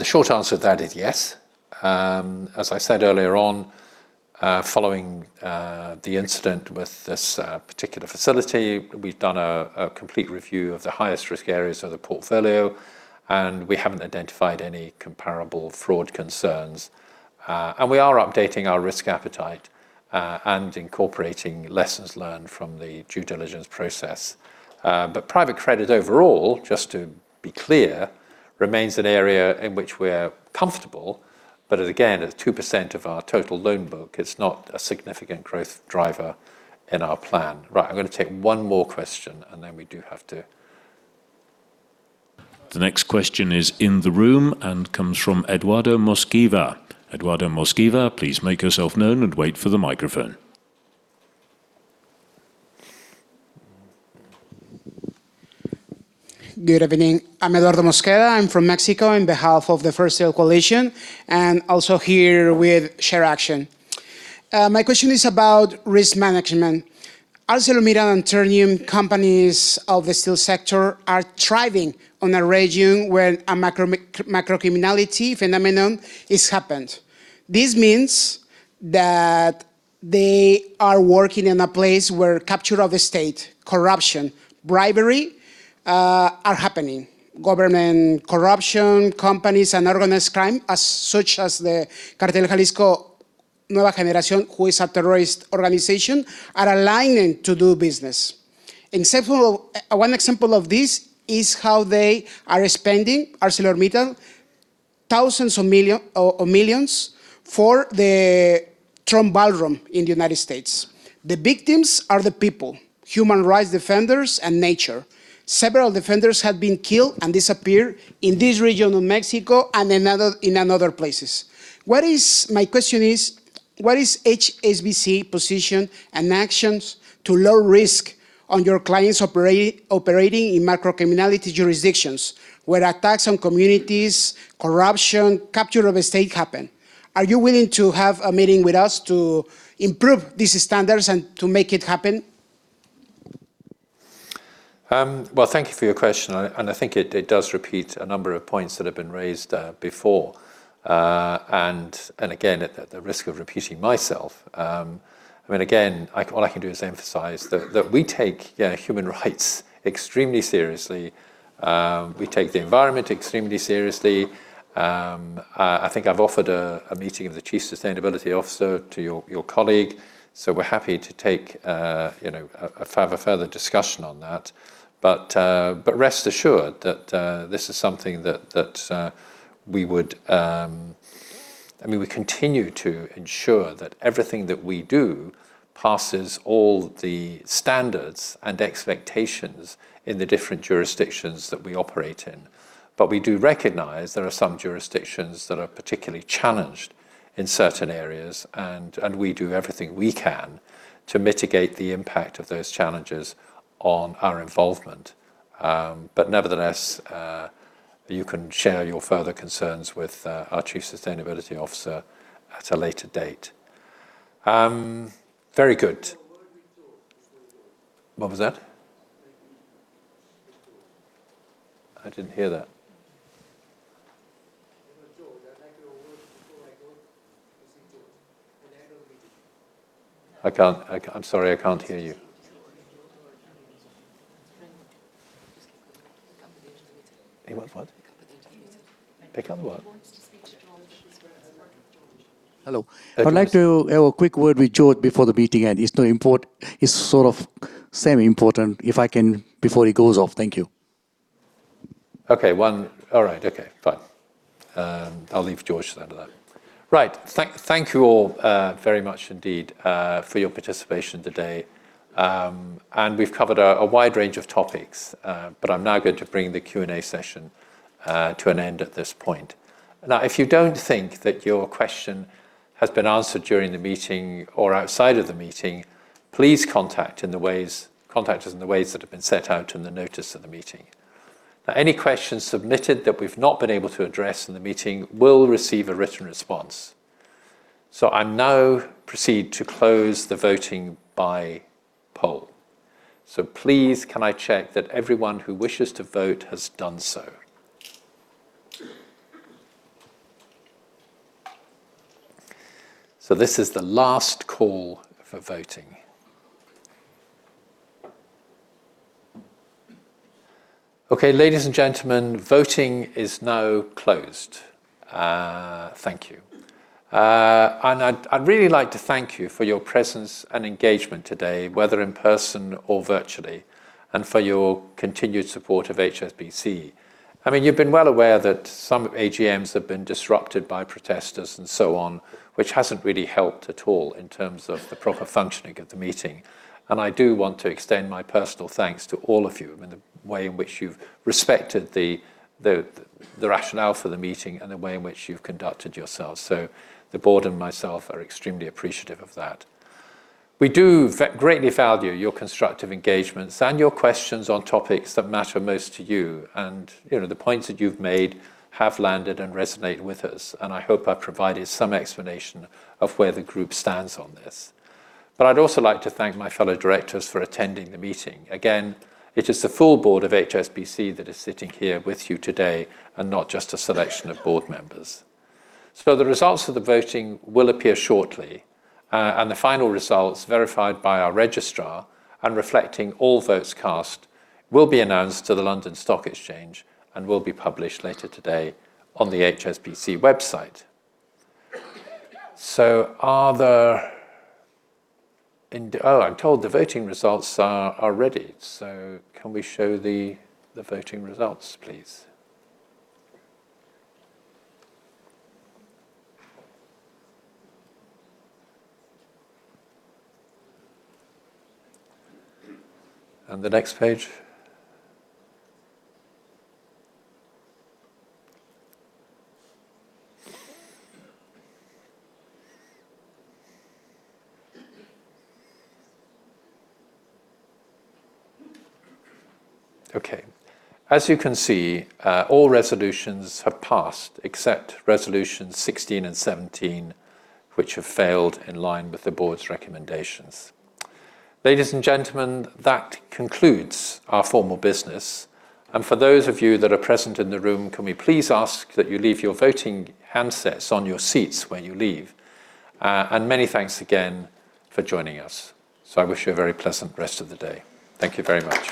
short answer to that is yes. As I said earlier on, following the incident with this particular facility, we've done a complete review of the highest risk areas of the portfolio, and we haven't identified any comparable fraud concerns. We are updating our risk appetite and incorporating lessons learned from the due diligence process. Private credit overall, just to be clear, remains an area in which we're comfortable, but again, at 2% of our total loan book, it's not a significant growth driver in our plan. Right, I'm gonna take one more question, and then we do have to. The next question is in the room and comes from Eduardo Mosqueda. Eduardo Mosqueda, please make yourself known and wait for the microphone. Good evening. I'm Eduardo Mosqueda. I'm from Mexico on behalf of the First Nations Coalition, and also here with ShareAction. My question is about risk management. ArcelorMittal and Ternium companies of the steel sector are thriving on a region where a macro criminality phenomenon is happened. This means that they are working in a place where capture of the state, corruption, bribery, are happening. Government corruption, companies and organized crime as such as the Jalisco New Generation Cartel, who is a terrorist organization, are aligning to do business. One example of this is how they are spending, ArcelorMittal, thousands of millions for the Trump ballroom in the United States. The victims are the people, human rights defenders and nature. Several defenders have been killed and disappeared in this region of Mexico and another, in another places. My question is, what is HSBC position and actions to low risk on your clients operating in macrocriminality jurisdictions where attacks on communities, corruption, capture of state happen? Are you willing to have a meeting with us to improve these standards and to make it happen? Well, thank you for your question. I think it does repeat a number of points that have been raised before. Again, at the risk of repeating myself, I mean, again, all I can do is emphasize that we take, yeah, human rights extremely seriously. We take the environment extremely seriously. I think I've offered a meeting of the chief sustainability officer to your colleague, so we're happy to take, you know, a further discussion on that. Rest assured that this is something that we would, I mean, we continue to ensure that everything that we do passes all the standards and expectations in the different jurisdictions that we operate in. We do recognize there are some jurisdictions that are particularly challenged in certain areas. We do everything we can to mitigate the impact of those challenges on our involvement. Nevertheless, you can share your further concerns with our Chief Sustainability Officer at a later date. Very good. Georges, a word with you before you go. What was that? A word with Georges. I didn't hear that. You know, Georges, I'd like a word before I go. To see Georges. I can't, I'm sorry, I can't hear you. He wants to speak to Georges before he leaves. He want what? Pick up with Georges. Pick up what? He wants to speak to Georges. Hello. Hello, yes. I'd like to have a quick word with Georges before the meeting end. It's sort of semi-important, if I can, before he goes off. Thank you. Okay. One All right. Okay, fine. I'll leave Georges to handle that. Right. Thank you all very much indeed for your participation today. We've covered a wide range of topics. I'm now going to bring the Q&A session to an end at this point. Now, if you don't think that your question has been answered during the meeting or outside of the meeting, please contact us in the ways that have been set out in the notice of the meeting. Now, any questions submitted that we've not been able to address in the meeting will receive a written response. I now proceed to close the voting by poll. Please can I check that everyone who wishes to vote has done so? This is the last call for voting. Okay. Ladies and gentlemen, voting is now closed. Thank you. I'd really like to thank you for your presence and engagement today, whether in person or virtually, and for your continued support of HSBC. I mean, you've been well aware that some AGMs have been disrupted by protesters and so on, which hasn't really helped at all in terms of the proper functioning of the meeting. I do want to extend my personal thanks to all of you in the way in which you've respected the rationale for the meeting and the way in which you've conducted yourselves. The board and myself are extremely appreciative of that. We do greatly value your constructive engagements and your questions on topics that matter most to you. You know, the points that you've made have landed and resonated with us, and I hope I've provided some explanation of where the group stands on this. I'd also like to thank my fellow directors for attending the meeting. Again, it is the full board of HSBC that is sitting here with you today and not just a selection of board members. The results of the voting will appear shortly. The final results verified by our registrar and reflecting all votes cast will be announced to the London Stock Exchange and will be published later today on the HSBC website. Are there Oh, I'm told the voting results are ready. Can we show the voting results, please? The next page. Okay. As you can see, all resolutions have passed except resolutions 16 and 17, which have failed in line with the board's recommendations. Ladies and gentlemen, that concludes our formal business. For those of you that are present in the room, can we please ask that you leave your voting handsets on your seats when you leave. Many thanks again for joining us. I wish you a very pleasant rest of the day. Thank you very much.